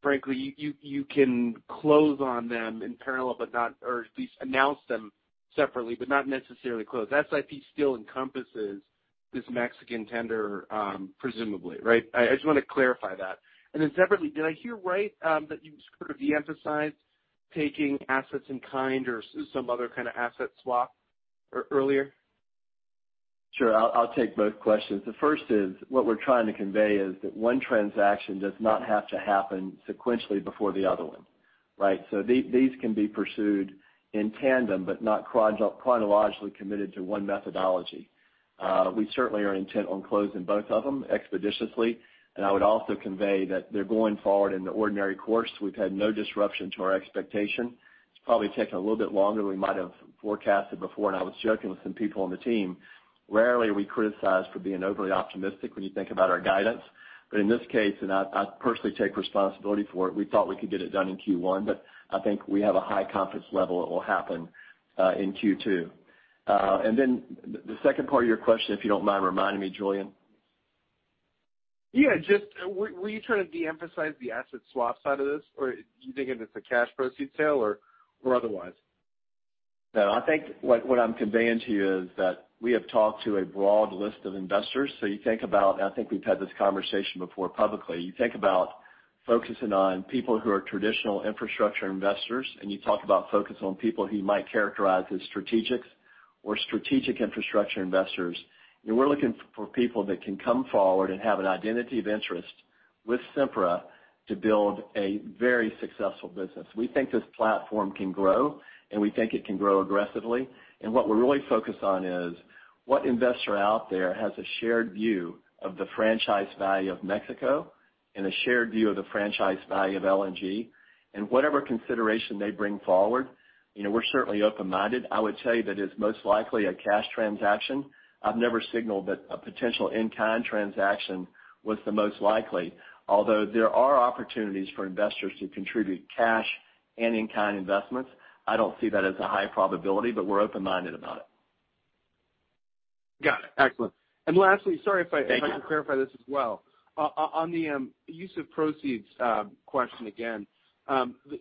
frankly, you can close on them in parallel or at least announce them separately, but not necessarily close. SIP still encompasses this Mexican tender, presumably, right? I just want to clarify that. Then separately, did I hear right that you sort of de-emphasized taking assets in kind or some other kind of asset swap earlier? Sure. I'll take both questions. The first is, what we're trying to convey is that one transaction does not have to happen sequentially before the other one. Right? These can be pursued in tandem, but not chronologically committed to one methodology. We certainly are intent on closing both of them expeditiously, and I would also convey that they're going forward in the ordinary course. We've had no disruption to our expectation. It's probably taken a little bit longer we might have forecasted before. I was joking with some people on the team, rarely are we criticized for being overly optimistic when you think about our guidance. In this case, and I personally take responsibility for it, we thought we could get it done in Q1, but I think we have a high confidence level it will happen in Q2. The second part of your question, if you don't mind reminding me, Julien? Yeah. Were you trying to de-emphasize the asset swap side of this? Are you thinking it's a cash proceed sale or otherwise? I think what I'm conveying to you is that we have talked to a broad list of investors. You think about, and I think we've had this conversation before publicly. You think about focusing on people who are traditional infrastructure investors, and you talk about focusing on people who you might characterize as strategics or strategic infrastructure investors. We're looking for people that can come forward and have an identity of interest with Sempra to build a very successful business. We think this platform can grow, and we think it can grow aggressively. What we're really focused on is what investor out there has a shared view of the franchise value of Mexico and a shared view of the franchise value of LNG. Whatever consideration they bring forward, we're certainly open-minded. I would say that it's most likely a cash transaction. I've never signaled that a potential in-kind transaction was the most likely. There are opportunities for investors to contribute cash and in-kind investments. I don't see that as a high probability, but we're open-minded about it. Got it. Excellent. Lastly. Thank you. Can clarify this as well. On the use of proceeds question again,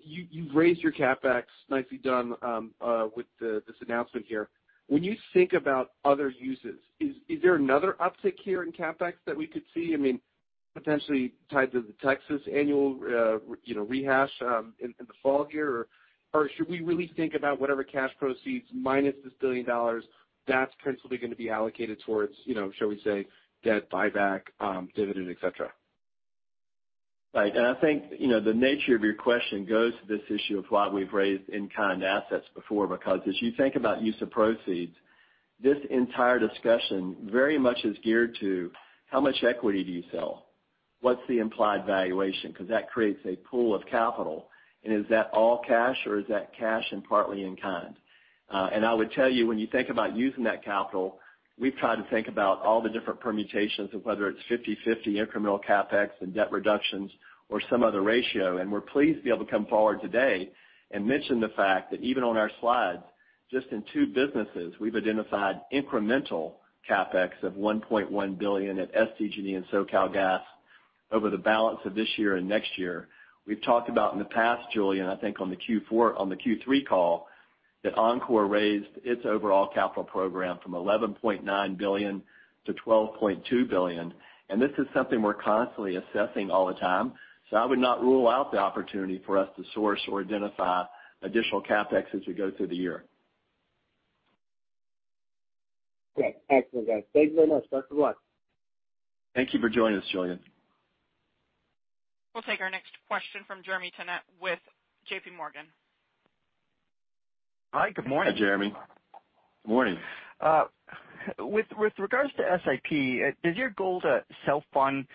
you've raised your CapEx. Nicely done with this announcement here. You think about other uses, is there another uptick here in CapEx that we could see? Potentially tied to the Texas annual refresh in the fall here, or should we really think about whatever cash proceeds minus this $1 billion, that's principally going to be allocated towards shall we say, debt buyback, dividend, et cetera? Right. I think the nature of your question goes to this issue of why we've raised in-kind assets before, because as you think about use of proceeds, this entire discussion very much is geared to how much equity do you sell? What's the implied valuation? That creates a pool of capital, and is that all cash or is that cash and partly in kind? I would tell you, when you think about using that capital, we've tried to think about all the different permutations of whether it's 50/50 incremental CapEx and debt reductions or some other ratio. We're pleased to be able to come forward today and mention the fact that even on our slides, just in two businesses, we've identified incremental CapEx of $1.1 billion at SDG&E and SoCalGas over the balance of this year and next year. We've talked about in the past, Julien, I think on the Q3 call, that Oncor raised its overall capital program from $11.9 billion to $12.2 billion, and this is something we're constantly assessing all the time. I would not rule out the opportunity for us to source or identify additional CapEx as we go through the year. Okay. Excellent, guys. Thank you very much. Best of luck. Thank you for joining us, Julien. We'll take our next question from Jeremy Tonet with JPMorgan. Hi. Good morning. Hi, Jeremy. Morning. With regards to SIP, does your goal to self-fund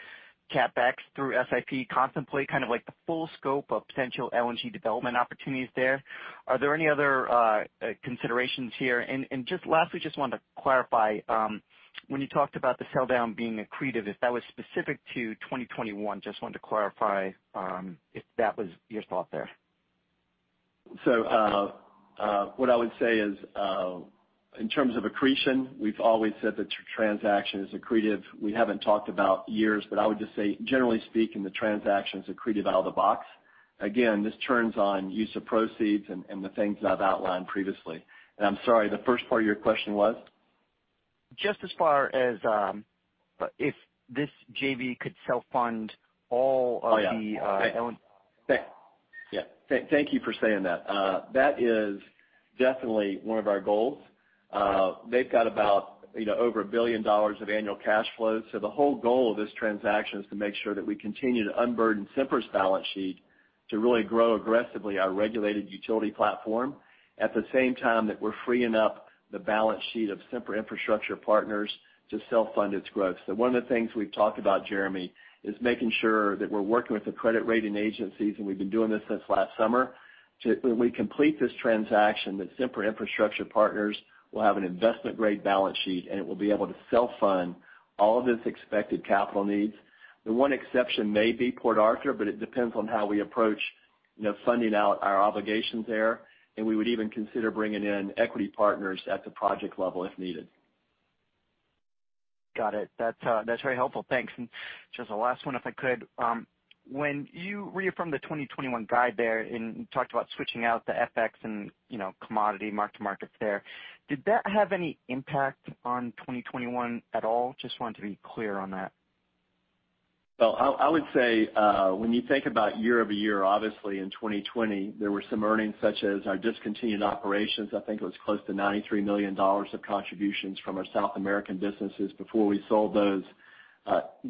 CapEx through SIP contemplate kind of like the full scope of potential LNG development opportunities there? Are there any other considerations here? Just lastly, just wanted to clarify, when you talked about the sell-down being accretive, if that was specific to 2021, just wanted to clarify if that was your thought there. What I would say is, in terms of accretion, we've always said the transaction is accretive. We haven't talked about years, but I would just say, generally speaking, the transaction's accretive out of the box. Again, this turns on use of proceeds and the things that I've outlined previously. I'm sorry, the first part of your question was? Just as far as if this JV could self-fund all of the- Thank you for saying that. That is definitely one of our goals. They've got about over $1 billion of annual cash flow. The whole goal of this transaction is to make sure that we continue to unburden Sempra's balance sheet to really grow aggressively our regulated utility platform, at the same time that we're freeing up the balance sheet of Sempra Infrastructure Partners to self-fund its growth. One of the things we've talked about, Jeremy, is making sure that we're working with the credit rating agencies, and we've been doing this since last summer, when we complete this transaction, that Sempra Infrastructure Partners will have an investment-grade balance sheet, and it will be able to self-fund all of its expected capital needs. The one exception may be Port Arthur, but it depends on how we approach funding out our obligations there, and we would even consider bringing in equity partners at the project level if needed. Got it. That's very helpful. Thanks. Just the last one, if I could. When you reaffirmed the 2021 guide there and talked about switching out the FX and commodity mark-to-markets there, did that have any impact on 2021 at all? Just wanted to be clear on that. Well, I would say, when you think about year-over-year, obviously in 2020, there were some earnings such as our discontinued operations. I think it was close to $93 million of contributions from our South American businesses before we sold those.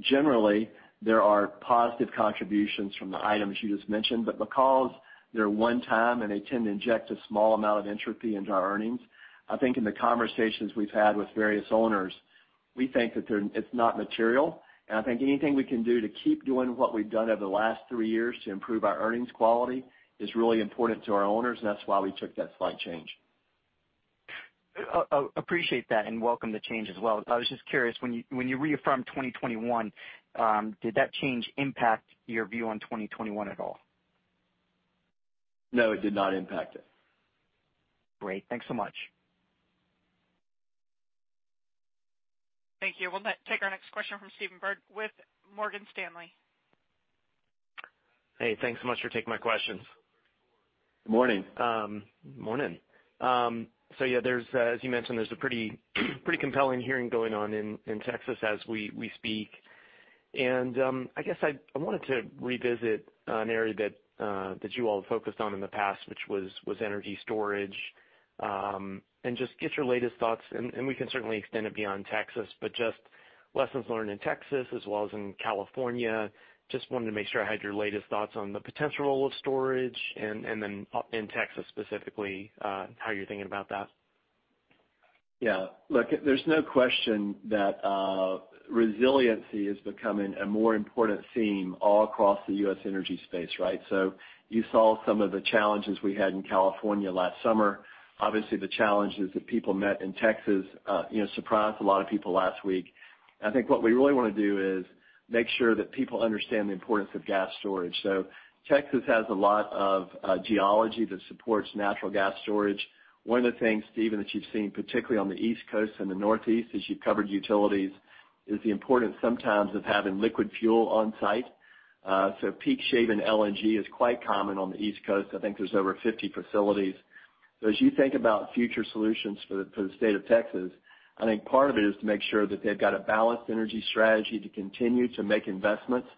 Generally, there are positive contributions from the items you just mentioned, but because they're one-time and they tend to inject a small amount of entropy into our earnings, I think in the conversations we've had with various owners, we think that it's not material. I think anything we can do to keep doing what we've done over the last three years to improve our earnings quality is really important to our owners, and that's why we took that slight change. Appreciate that, and welcome the change as well. I was just curious, when you reaffirmed 2021, did that change impact your view on 2021 at all? No, it did not impact it. Great. Thanks so much. Thank you. We'll now take our next question from Stephen Byrd with Morgan Stanley. Hey, thanks so much for taking my questions. Morning. Morning. Yeah, as you mentioned, there's a pretty compelling hearing going on in Texas as we speak. I guess I wanted to revisit an area that you all have focused on in the past, which was energy storage, and just get your latest thoughts, and we can certainly extend it beyond Texas, but just lessons learned in Texas as well as in California. Just wanted to make sure I had your latest thoughts on the potential of storage and then in Texas specifically, how you're thinking about that. Yeah. Look, there's no question that resiliency is becoming a more important theme all across the U.S. energy space, right? You saw some of the challenges we had in California last summer. Obviously, the challenges that people met in Texas surprised a lot of people last week. I think what we really want to do is make sure that people understand the importance of gas storage. Texas has a lot of geology that supports natural gas storage. One of the things, Stephen, that you've seen, particularly on the East Coast and the Northeast, as you've covered utilities, is the importance sometimes of having liquid fuel on site. Peak shaving LNG is quite common on the East Coast. I think there's over 50 facilities. As you think about future solutions for the state of Texas, I think part of it is to make sure that they've got a balanced energy strategy to continue to make investments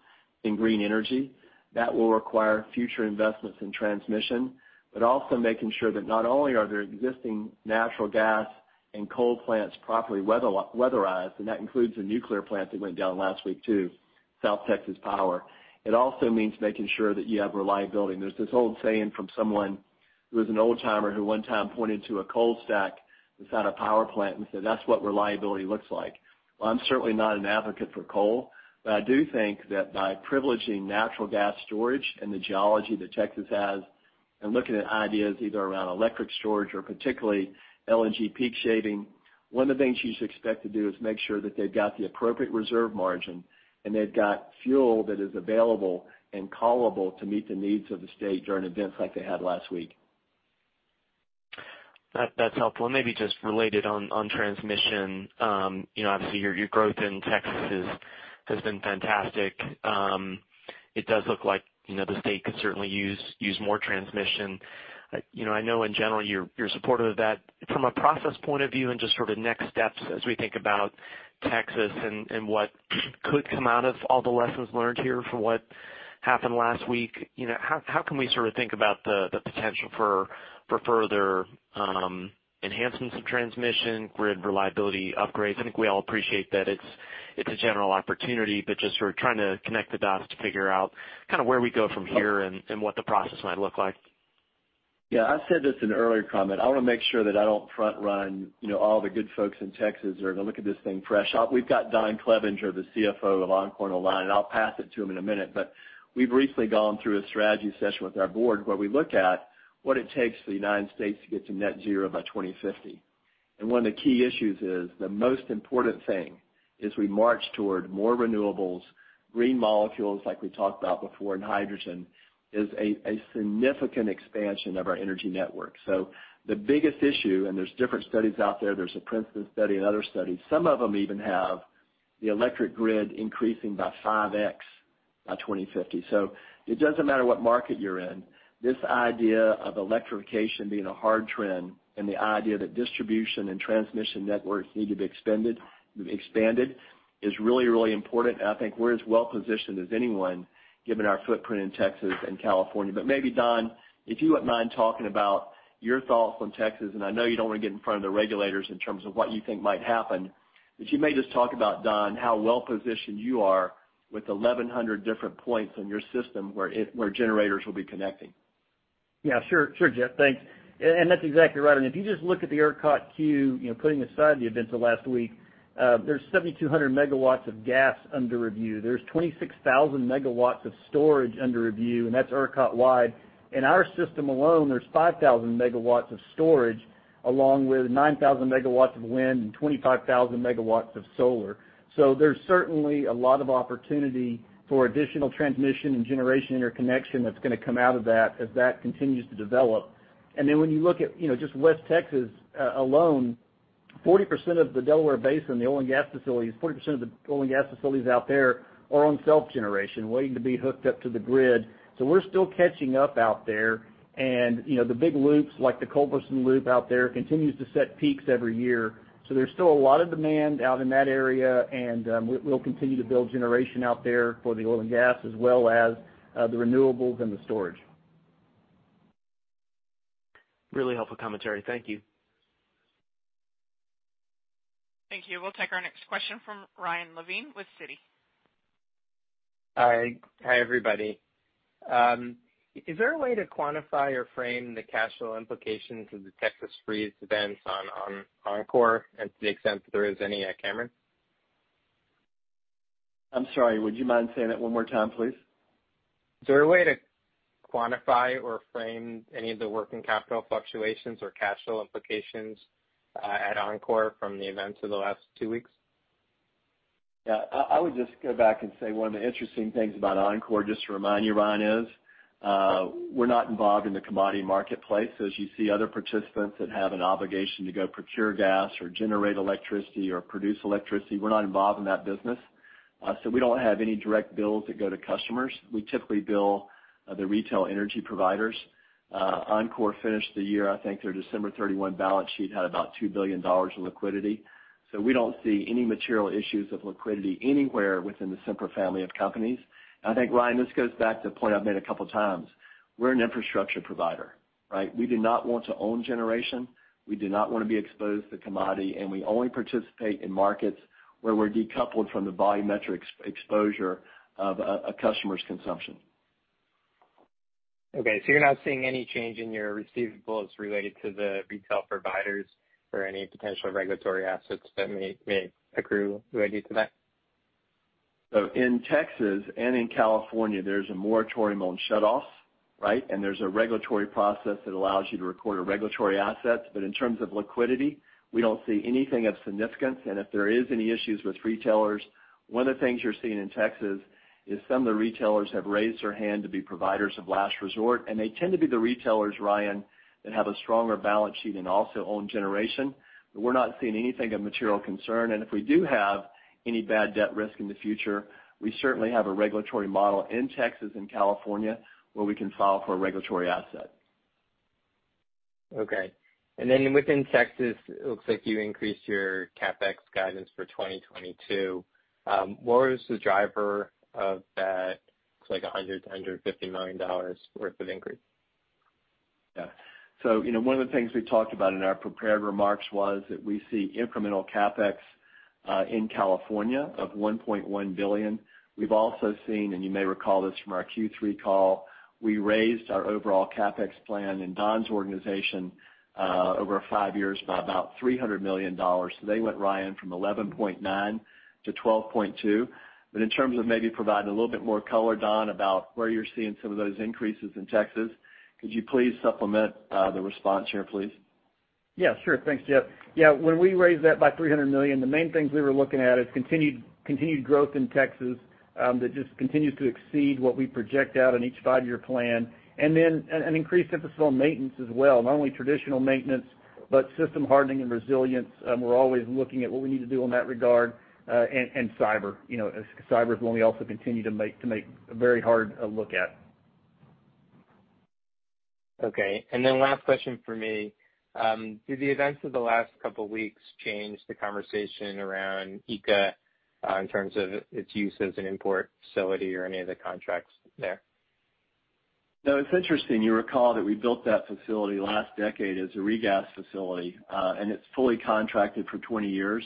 in green energy. That will require future investments in transmission. Also making sure that not only are their existing natural gas and coal plants properly weatherized, and that includes a nuclear plant that went down last week, too, South Texas Project. It also means making sure that you have reliability. There's this old saying from someone who was an old-timer who one time pointed to a coal stack inside a power plant and said, "That's what reliability looks like." Well, I'm certainly not an advocate for coal, but I do think that by privileging natural gas storage and the geology that Texas has and looking at ideas either around electric storage or particularly LNG peak shaving, one of the things you should expect to do is make sure that they've got the appropriate reserve margin and they've got fuel that is available and callable to meet the needs of the state during events like they had last week. That's helpful. Maybe just related on transmission. Obviously, your growth in Texas has been fantastic. It does look like the state could certainly use more transmission. I know in general you're supportive of that. From a process point of view and just sort of next steps as we think about Texas and what could come out of all the lessons learned here from what happened last week, how can we sort of think about the potential for further enhancements of transmission, grid reliability upgrades? I think we all appreciate that it's a general opportunity, but just sort of trying to connect the dots to figure out kind of where we go from here and what the process might look like. Yeah. I said this in an earlier comment. I want to make sure that I don't front-run all the good folks in Texas that are going to look at this thing fresh. We've got Don Clevenger, the CFO of Oncor online, and I'll pass it to him in a minute. We've recently gone through a strategy session with our board where we look at what it takes for the United States to get to net zero by 2050. One of the key issues is the most important thing as we march toward more renewables, green molecules like we talked about before in hydrogen, is a significant expansion of our energy network. The biggest issue, and there's different studies out there's a Princeton study and other studies. Some of them even have the electric grid increasing by 5X by 2050. It doesn't matter what market you're in, this idea of electrification being a hard trend and the idea that distribution and transmission networks need to be expanded is really, really important. I think we're as well positioned as anyone, given our footprint in Texas and California. Maybe, Don, if you wouldn't mind talking about your thoughts on Texas, and I know you don't want to get in front of the regulators in terms of what you think might happen. If you may just talk about, Don, how well-positioned you are with 1,100 different points in your system where generators will be connecting. Yeah. Sure, Jeff, thanks. That's exactly right. If you just look at the ERCOT queue, putting aside the events of last week, there's 7,200 MW of gas under review. There's 26,000 MW of storage under review, and that's ERCOT wide. In our system alone, there's 5,000 MW of storage along with 9,000 MW of wind and 25,000 MW of solar. There's certainly a lot of opportunity for additional transmission and generation interconnection that's going to come out of that as that continues to develop. When you look at just West Texas alone, 40% of the Delaware Basin, the oil and gas facilities, 40% of the oil and gas facilities out there are on self-generation waiting to be hooked up to the grid. We're still catching up out there, and the big loops like the Culberson Loop out there continues to set peaks every year. There's still a lot of demand out in that area, and we'll continue to build generation out there for the oil and gas as well as the renewables and the storage. Really helpful commentary. Thank you. Thank you. We'll take our next question from Ryan Levine with Citi. Hi. Hi, everybody. Is there a way to quantify or frame the cash flow implications of the Texas freeze events on Oncor and to the extent that there is any, Cameron? I'm sorry, would you mind saying that one more time, please? Is there a way to quantify or frame any of the working capital fluctuations or cash flow implications at Oncor from the events of the last two weeks? Yeah. I would just go back and say one of the interesting things about Oncor, just to remind you, Ryan, is we're not involved in the commodity marketplace. As you see other participants that have an obligation to go procure gas or generate electricity or produce electricity, we're not involved in that business. We don't have any direct bills that go to customers. We typically bill the retail energy providers. Oncor finished the year, I think, their December 31 balance sheet had about $2 billion in liquidity. We don't see any material issues of liquidity anywhere within the Sempra family of companies. I think, Ryan, this goes back to a point I've made a couple of times. We're an infrastructure provider, right? We do not want to own generation. We do not want to be exposed to commodity, and we only participate in markets where we're decoupled from the volumetric exposure of a customer's consumption. Okay. You're not seeing any change in your receivables related to the retail providers or any potential regulatory assets that may accrue related to that? In Texas and in California, there's a moratorium on shutoffs, right? There's a regulatory process that allows you to record a regulatory asset. In terms of liquidity, we don't see anything of significance. If there is any issues with retailers, one of the things you're seeing in Texas is some of the retailers have raised their hand to be providers of last resort, and they tend to be the retailers, Ryan, that have a stronger balance sheet and also own generation. We're not seeing anything of material concern. If we do have any bad debt risk in the future, we certainly have a regulatory model in Texas and California where we can file for a regulatory asset. Okay. Within Texas, it looks like you increased your CapEx guidance for 2022. What was the driver of that? Looks like $100 million-$150 million worth of increase. One of the things we talked about in our prepared remarks was that we see incremental CapEx in California of $1.1 billion. We've also seen, and you may recall this from our Q3 call, we raised our overall CapEx plan in Don's organization over five years by about $300 million. They went, Ryan, from 11.9 to 12.2. In terms of maybe providing a little bit more color, Don, about where you're seeing some of those increases in Texas, could you please supplement the response here, please? Yeah, sure. Thanks, Jeff. When we raised that by $300 million, the main things we were looking at is continued growth in Texas that just continues to exceed what we project out in each five-year plan. An increased emphasis on maintenance as well. Not only traditional maintenance, but system hardening and resilience. We're always looking at what we need to do in that regard. Cyber. Cyber is one we also continue to make a very hard look at. Okay. Then last question from me. Do the events of the last couple of weeks change the conversation around ECA in terms of its use as an import facility or any of the contracts there? No, it is interesting. You recall that we built that facility last decade as a regas facility. It is fully contracted for 20 years.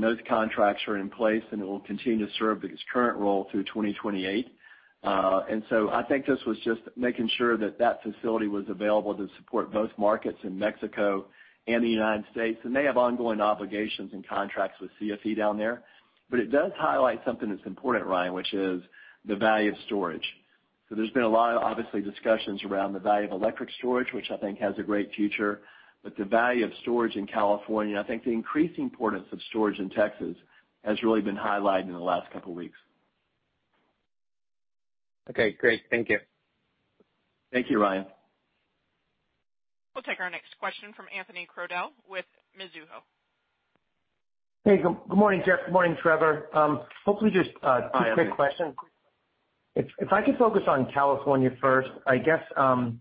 Those contracts are in place, and it will continue to serve its current role through 2028. I think this was just making sure that that facility was available to support both markets in Mexico and the U.S. They have ongoing obligations and contracts with CFE down there. It does highlight something that is important, Ryan, which is the value of storage. There has been a lot of, obviously, discussions around the value of electric storage, which I think has a great future. The value of storage in California, I think the increased importance of storage in Texas has really been highlighted in the last couple of weeks. Okay, great. Thank you. Thank you, Ryan. We'll take our next question from Anthony Crowdell with Mizuho. Hey, good morning, Jeff. Good morning, Trevor. Hi, Anthony. Two quick questions. If I could focus on California first. I guess, strong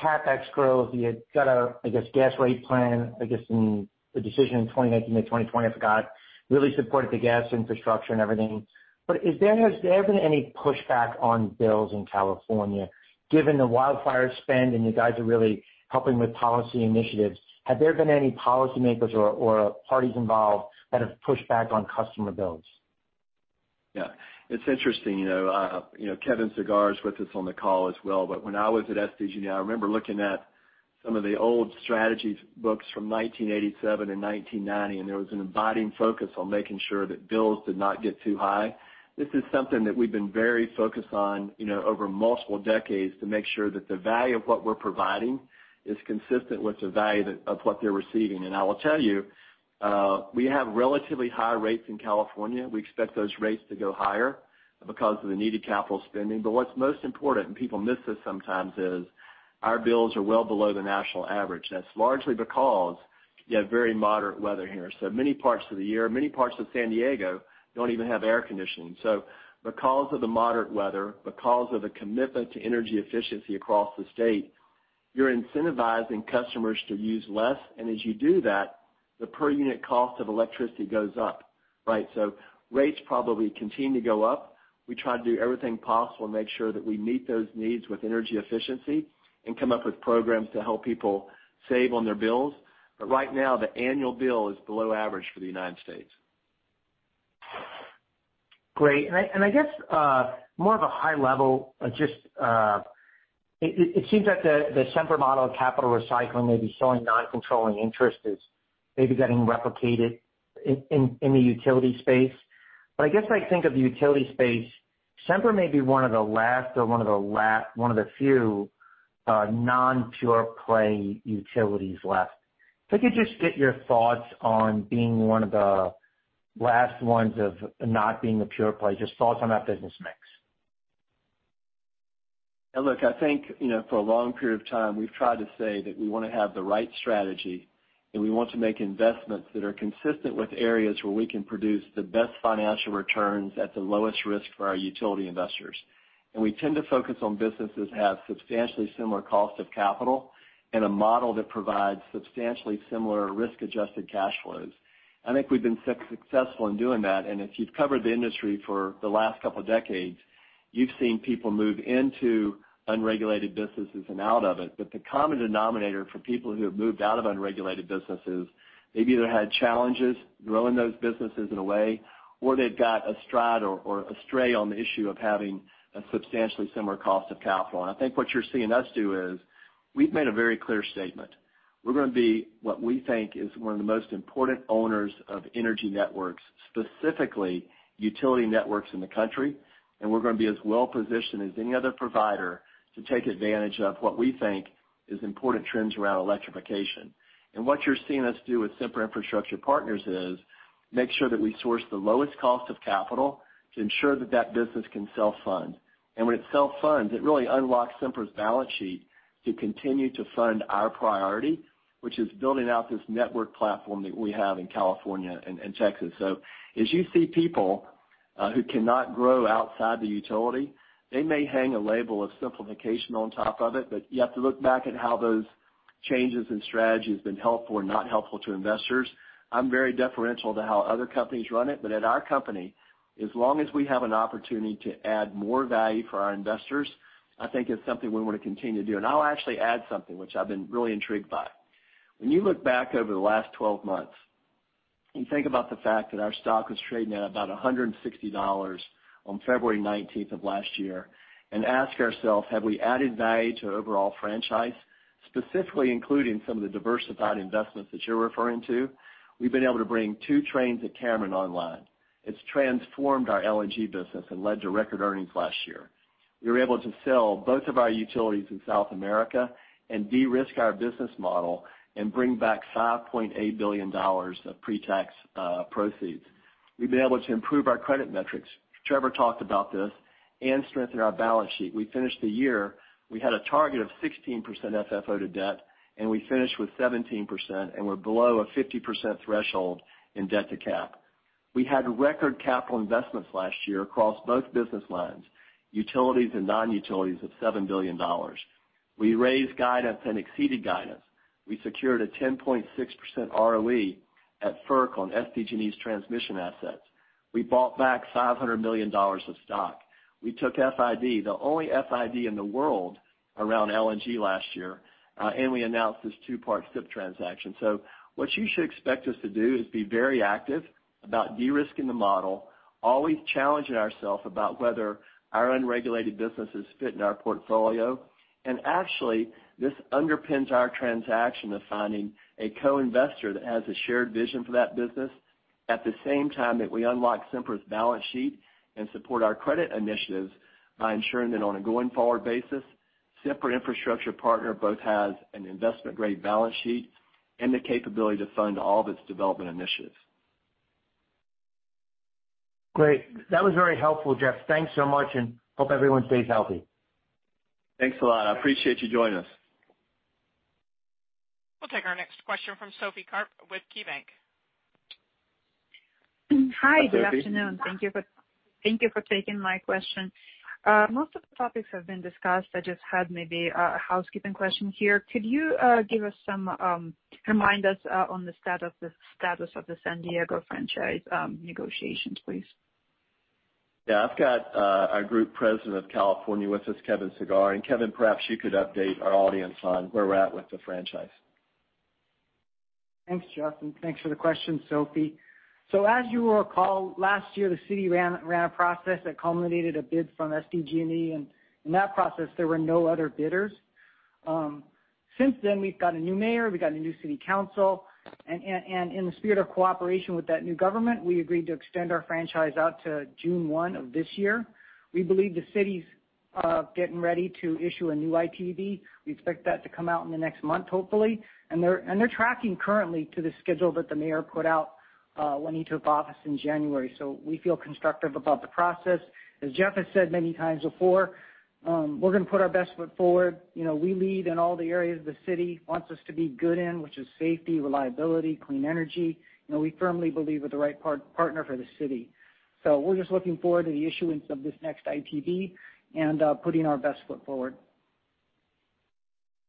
CapEx growth. You got, I guess, gas rate plan, I guess, in the decision in 2019, May 2020, I forgot. Really supported the gas infrastructure and everything. Has there been any pushback on bills in California given the wildfire spend and you guys are really helping with policy initiatives? Have there been any policymakers or parties involved that have pushed back on customer bills? It's interesting. Kevin Sagara is with us on the call as well. When I was at SDG&E, I remember looking at some of the old strategies books from 1987 and 1990. There was an abiding focus on making sure that bills did not get too high. This is something that we've been very focused on over multiple decades to make sure that the value of what we're providing is consistent with the value of what they're receiving. I will tell you, we have relatively high rates in California. We expect those rates to go higher because of the needed capital spending. What's most important, and people miss this sometimes, is our bills are well below the national average. That's largely because you have very moderate weather here. Many parts of the year, many parts of San Diego don't even have air conditioning. Because of the moderate weather, because of the commitment to energy efficiency across the state, you're incentivizing customers to use less, and as you do that, the per unit cost of electricity goes up, right? Rates probably continue to go up. We try to do everything possible to make sure that we meet those needs with energy efficiency and come up with programs to help people save on their bills. Right now, the annual bill is below average for the United States. Great. I guess, more of a high level, it seems like the Sempra model of capital recycling may be showing non-controlling interest is maybe getting replicated in the utility space. I guess I think of the utility space, Sempra may be one of the last or one of the few non-pure play utilities left. If I could just get your thoughts on being one of the last ones of not being a pure play, just thoughts on that business mix. Look, I think, for a long period of time, we've tried to say that we want to have the right strategy, and we want to make investments that are consistent with areas where we can produce the best financial returns at the lowest risk for our utility investors. We tend to focus on businesses that have substantially similar cost of capital and a model that provides substantially similar risk-adjusted cash flows. I think we've been successful in doing that, if you've covered the industry for the last couple of decades, you've seen people move into unregulated businesses and out of it. The common denominator for people who have moved out of unregulated businesses, they've either had challenges growing those businesses in a way, or they've got strat or astray on the issue of having a substantially similar cost of capital. I think what you're seeing us do is we've made a very clear statement. We're going to be what we think is one of the most important owners of energy networks, specifically utility networks in the country, and we're going to be as well-positioned as any other provider to take advantage of what we think is important trends around electrification. What you're seeing us do with Sempra Infrastructure Partners is make sure that we source the lowest cost of capital to ensure that that business can self-fund. When it self-funds, it really unlocks Sempra's balance sheet to continue to fund our priority, which is building out this network platform that we have in California and Texas. As you see people who cannot grow outside the utility, they may hang a label of simplification on top of it, but you have to look back at how those changes in strategy has been helpful or not helpful to investors. I'm very deferential to how other companies run it, but at our company, as long as we have an opportunity to add more value for our investors, I think it's something we want to continue to do. I'll actually add something which I've been really intrigued by. When you look back over the last 12 months and think about the fact that our stock was trading at about $160 on February 19th of last year and ask ourselves, have we added value to overall franchise, specifically including some of the diversified investments that you're referring to? We've been able to bring two trains at Cameron online. It's transformed our LNG business and led to record earnings last year. We were able to sell both of our utilities in South America and de-risk our business model and bring back $5.8 billion of pre-tax proceeds. We've been able to improve our credit metrics, Trevor talked about this, and strengthen our balance sheet. We finished the year, we had a target of 16% FFO to debt, we finished with 17%, we're below a 50% threshold in debt to cap. We had record capital investments last year across both business lines, utilities and non-utilities of $7 billion. We raised guidance, exceeded guidance. We secured a 10.6% ROE at FERC on SDG&E's transmission assets. We bought back $500 million of stock. We took FID, the only FID in the world, around LNG last year, we announced this two-part SIP transaction. What you should expect us to do is be very active about de-risking the model, always challenging ourselves about whether our unregulated businesses fit in our portfolio. Actually, this underpins our transaction of finding a co-investor that has a shared vision for that business. At the same time that we unlock Sempra's balance sheet and support our credit initiatives by ensuring that on a going-forward basis, Sempra Infrastructure Partners both has an investment-grade balance sheet and the capability to fund all of its development initiatives. Great. That was very helpful, Jeff. Thanks so much. Hope everyone stays healthy. Thanks a lot. I appreciate you joining us. We'll take our next question from Sophie Karp with KeyBank. Hi, good afternoon. Hi, Sophie. Thank you for taking my question. Most of the topics have been discussed. I just had maybe a housekeeping question here. Could you remind us on the status of the San Diego franchise negotiations, please? Yeah, I've got our Group President of California with us, Kevin Sagara. Kevin, perhaps you could update our audience on where we're at with the franchise. Thanks, Jeff, and thanks for the question, Sophie. As you will recall, last year the city ran a process that culminated a bid from SDG&E, and in that process, there were no other bidders. Since then, we've got a new mayor, we got a new city council, and in the spirit of cooperation with that new government, we agreed to extend our franchise out to June 1 of this year. We believe the city's getting ready to issue a new RFP. We expect that to come out in the next month, hopefully. They're tracking currently to the schedule that the mayor put out when he took office in January. We feel constructive about the process. As Jeff has said many times before, we're going to put our best foot forward. We lead in all the areas the city wants us to be good in, which is safety, reliability, clean energy. We firmly believe we're the right partner for the city. We're just looking forward to the issuance of this next RFP and putting our best foot forward.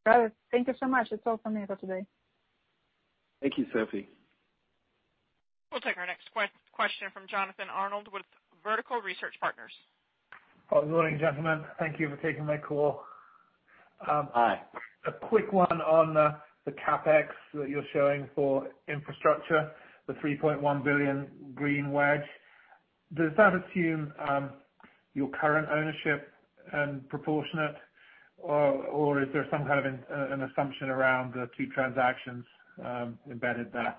Got it. Thank you so much. That's all from me for today. Thank you, Sophie. We'll take our next question from Jonathan Arnold with Vertical Research Partners. Good morning, gentlemen. Thank you for taking my call. Hi. A quick one on the CapEx that you're showing for infrastructure, the $3.1 billion green wedge. Does that assume your current ownership and proportionate, or is there some kind of an assumption around the two transactions embedded there?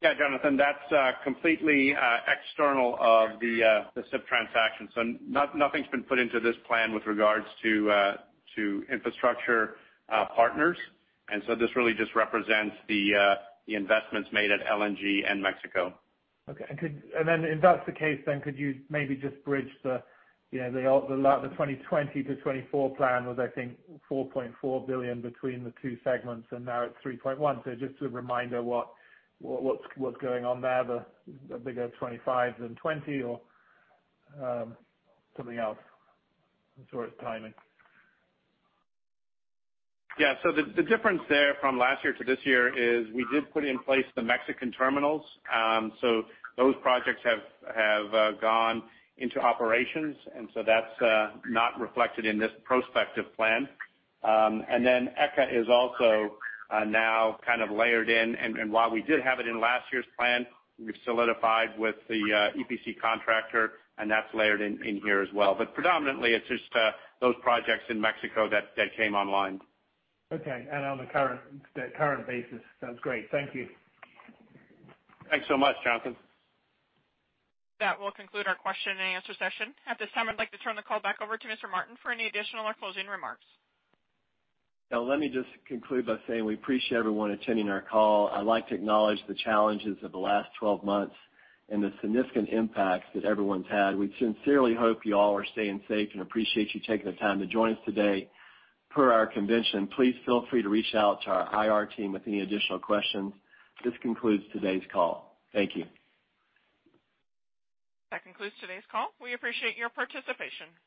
Yeah, Jonathan, that's completely external of the SIP transaction. Nothing's been put into this plan with regards to Infrastructure Partners. This really just represents the investments made at LNG and Mexico. Okay. If that's the case, could you maybe just bridge the 2020 to 2024 plan was, I think, $4.4 billion between the two segments, and now it's $3.1 billion. Just a reminder what's going on there, the bigger 2025 than 2020 or something else in sorts timing. The difference there from last year to this year is we did put in place the Mexican terminals. Those projects have gone into operations, and that's not reflected in this prospective plan. ECA is also now kind of layered in. While we did have it in last year's plan, we've solidified with the EPC contractor, and that's layered in here as well. Predominantly, it's just those projects in Mexico that came online. Okay. On the current basis. That's great. Thank you. Thanks so much, Jonathan. That will conclude our question and answer session. At this time, I'd like to turn the call back over to Mr. Martin for any additional or closing remarks. Let me just conclude by saying we appreciate everyone attending our call. I'd like to acknowledge the challenges of the last 12 months and the significant impacts that everyone's had. We sincerely hope you all are staying safe and appreciate you taking the time to join us today per our convention. Please feel free to reach out to our IR team with any additional questions. This concludes today's call. Thank you. That concludes today's call. We appreciate your participation.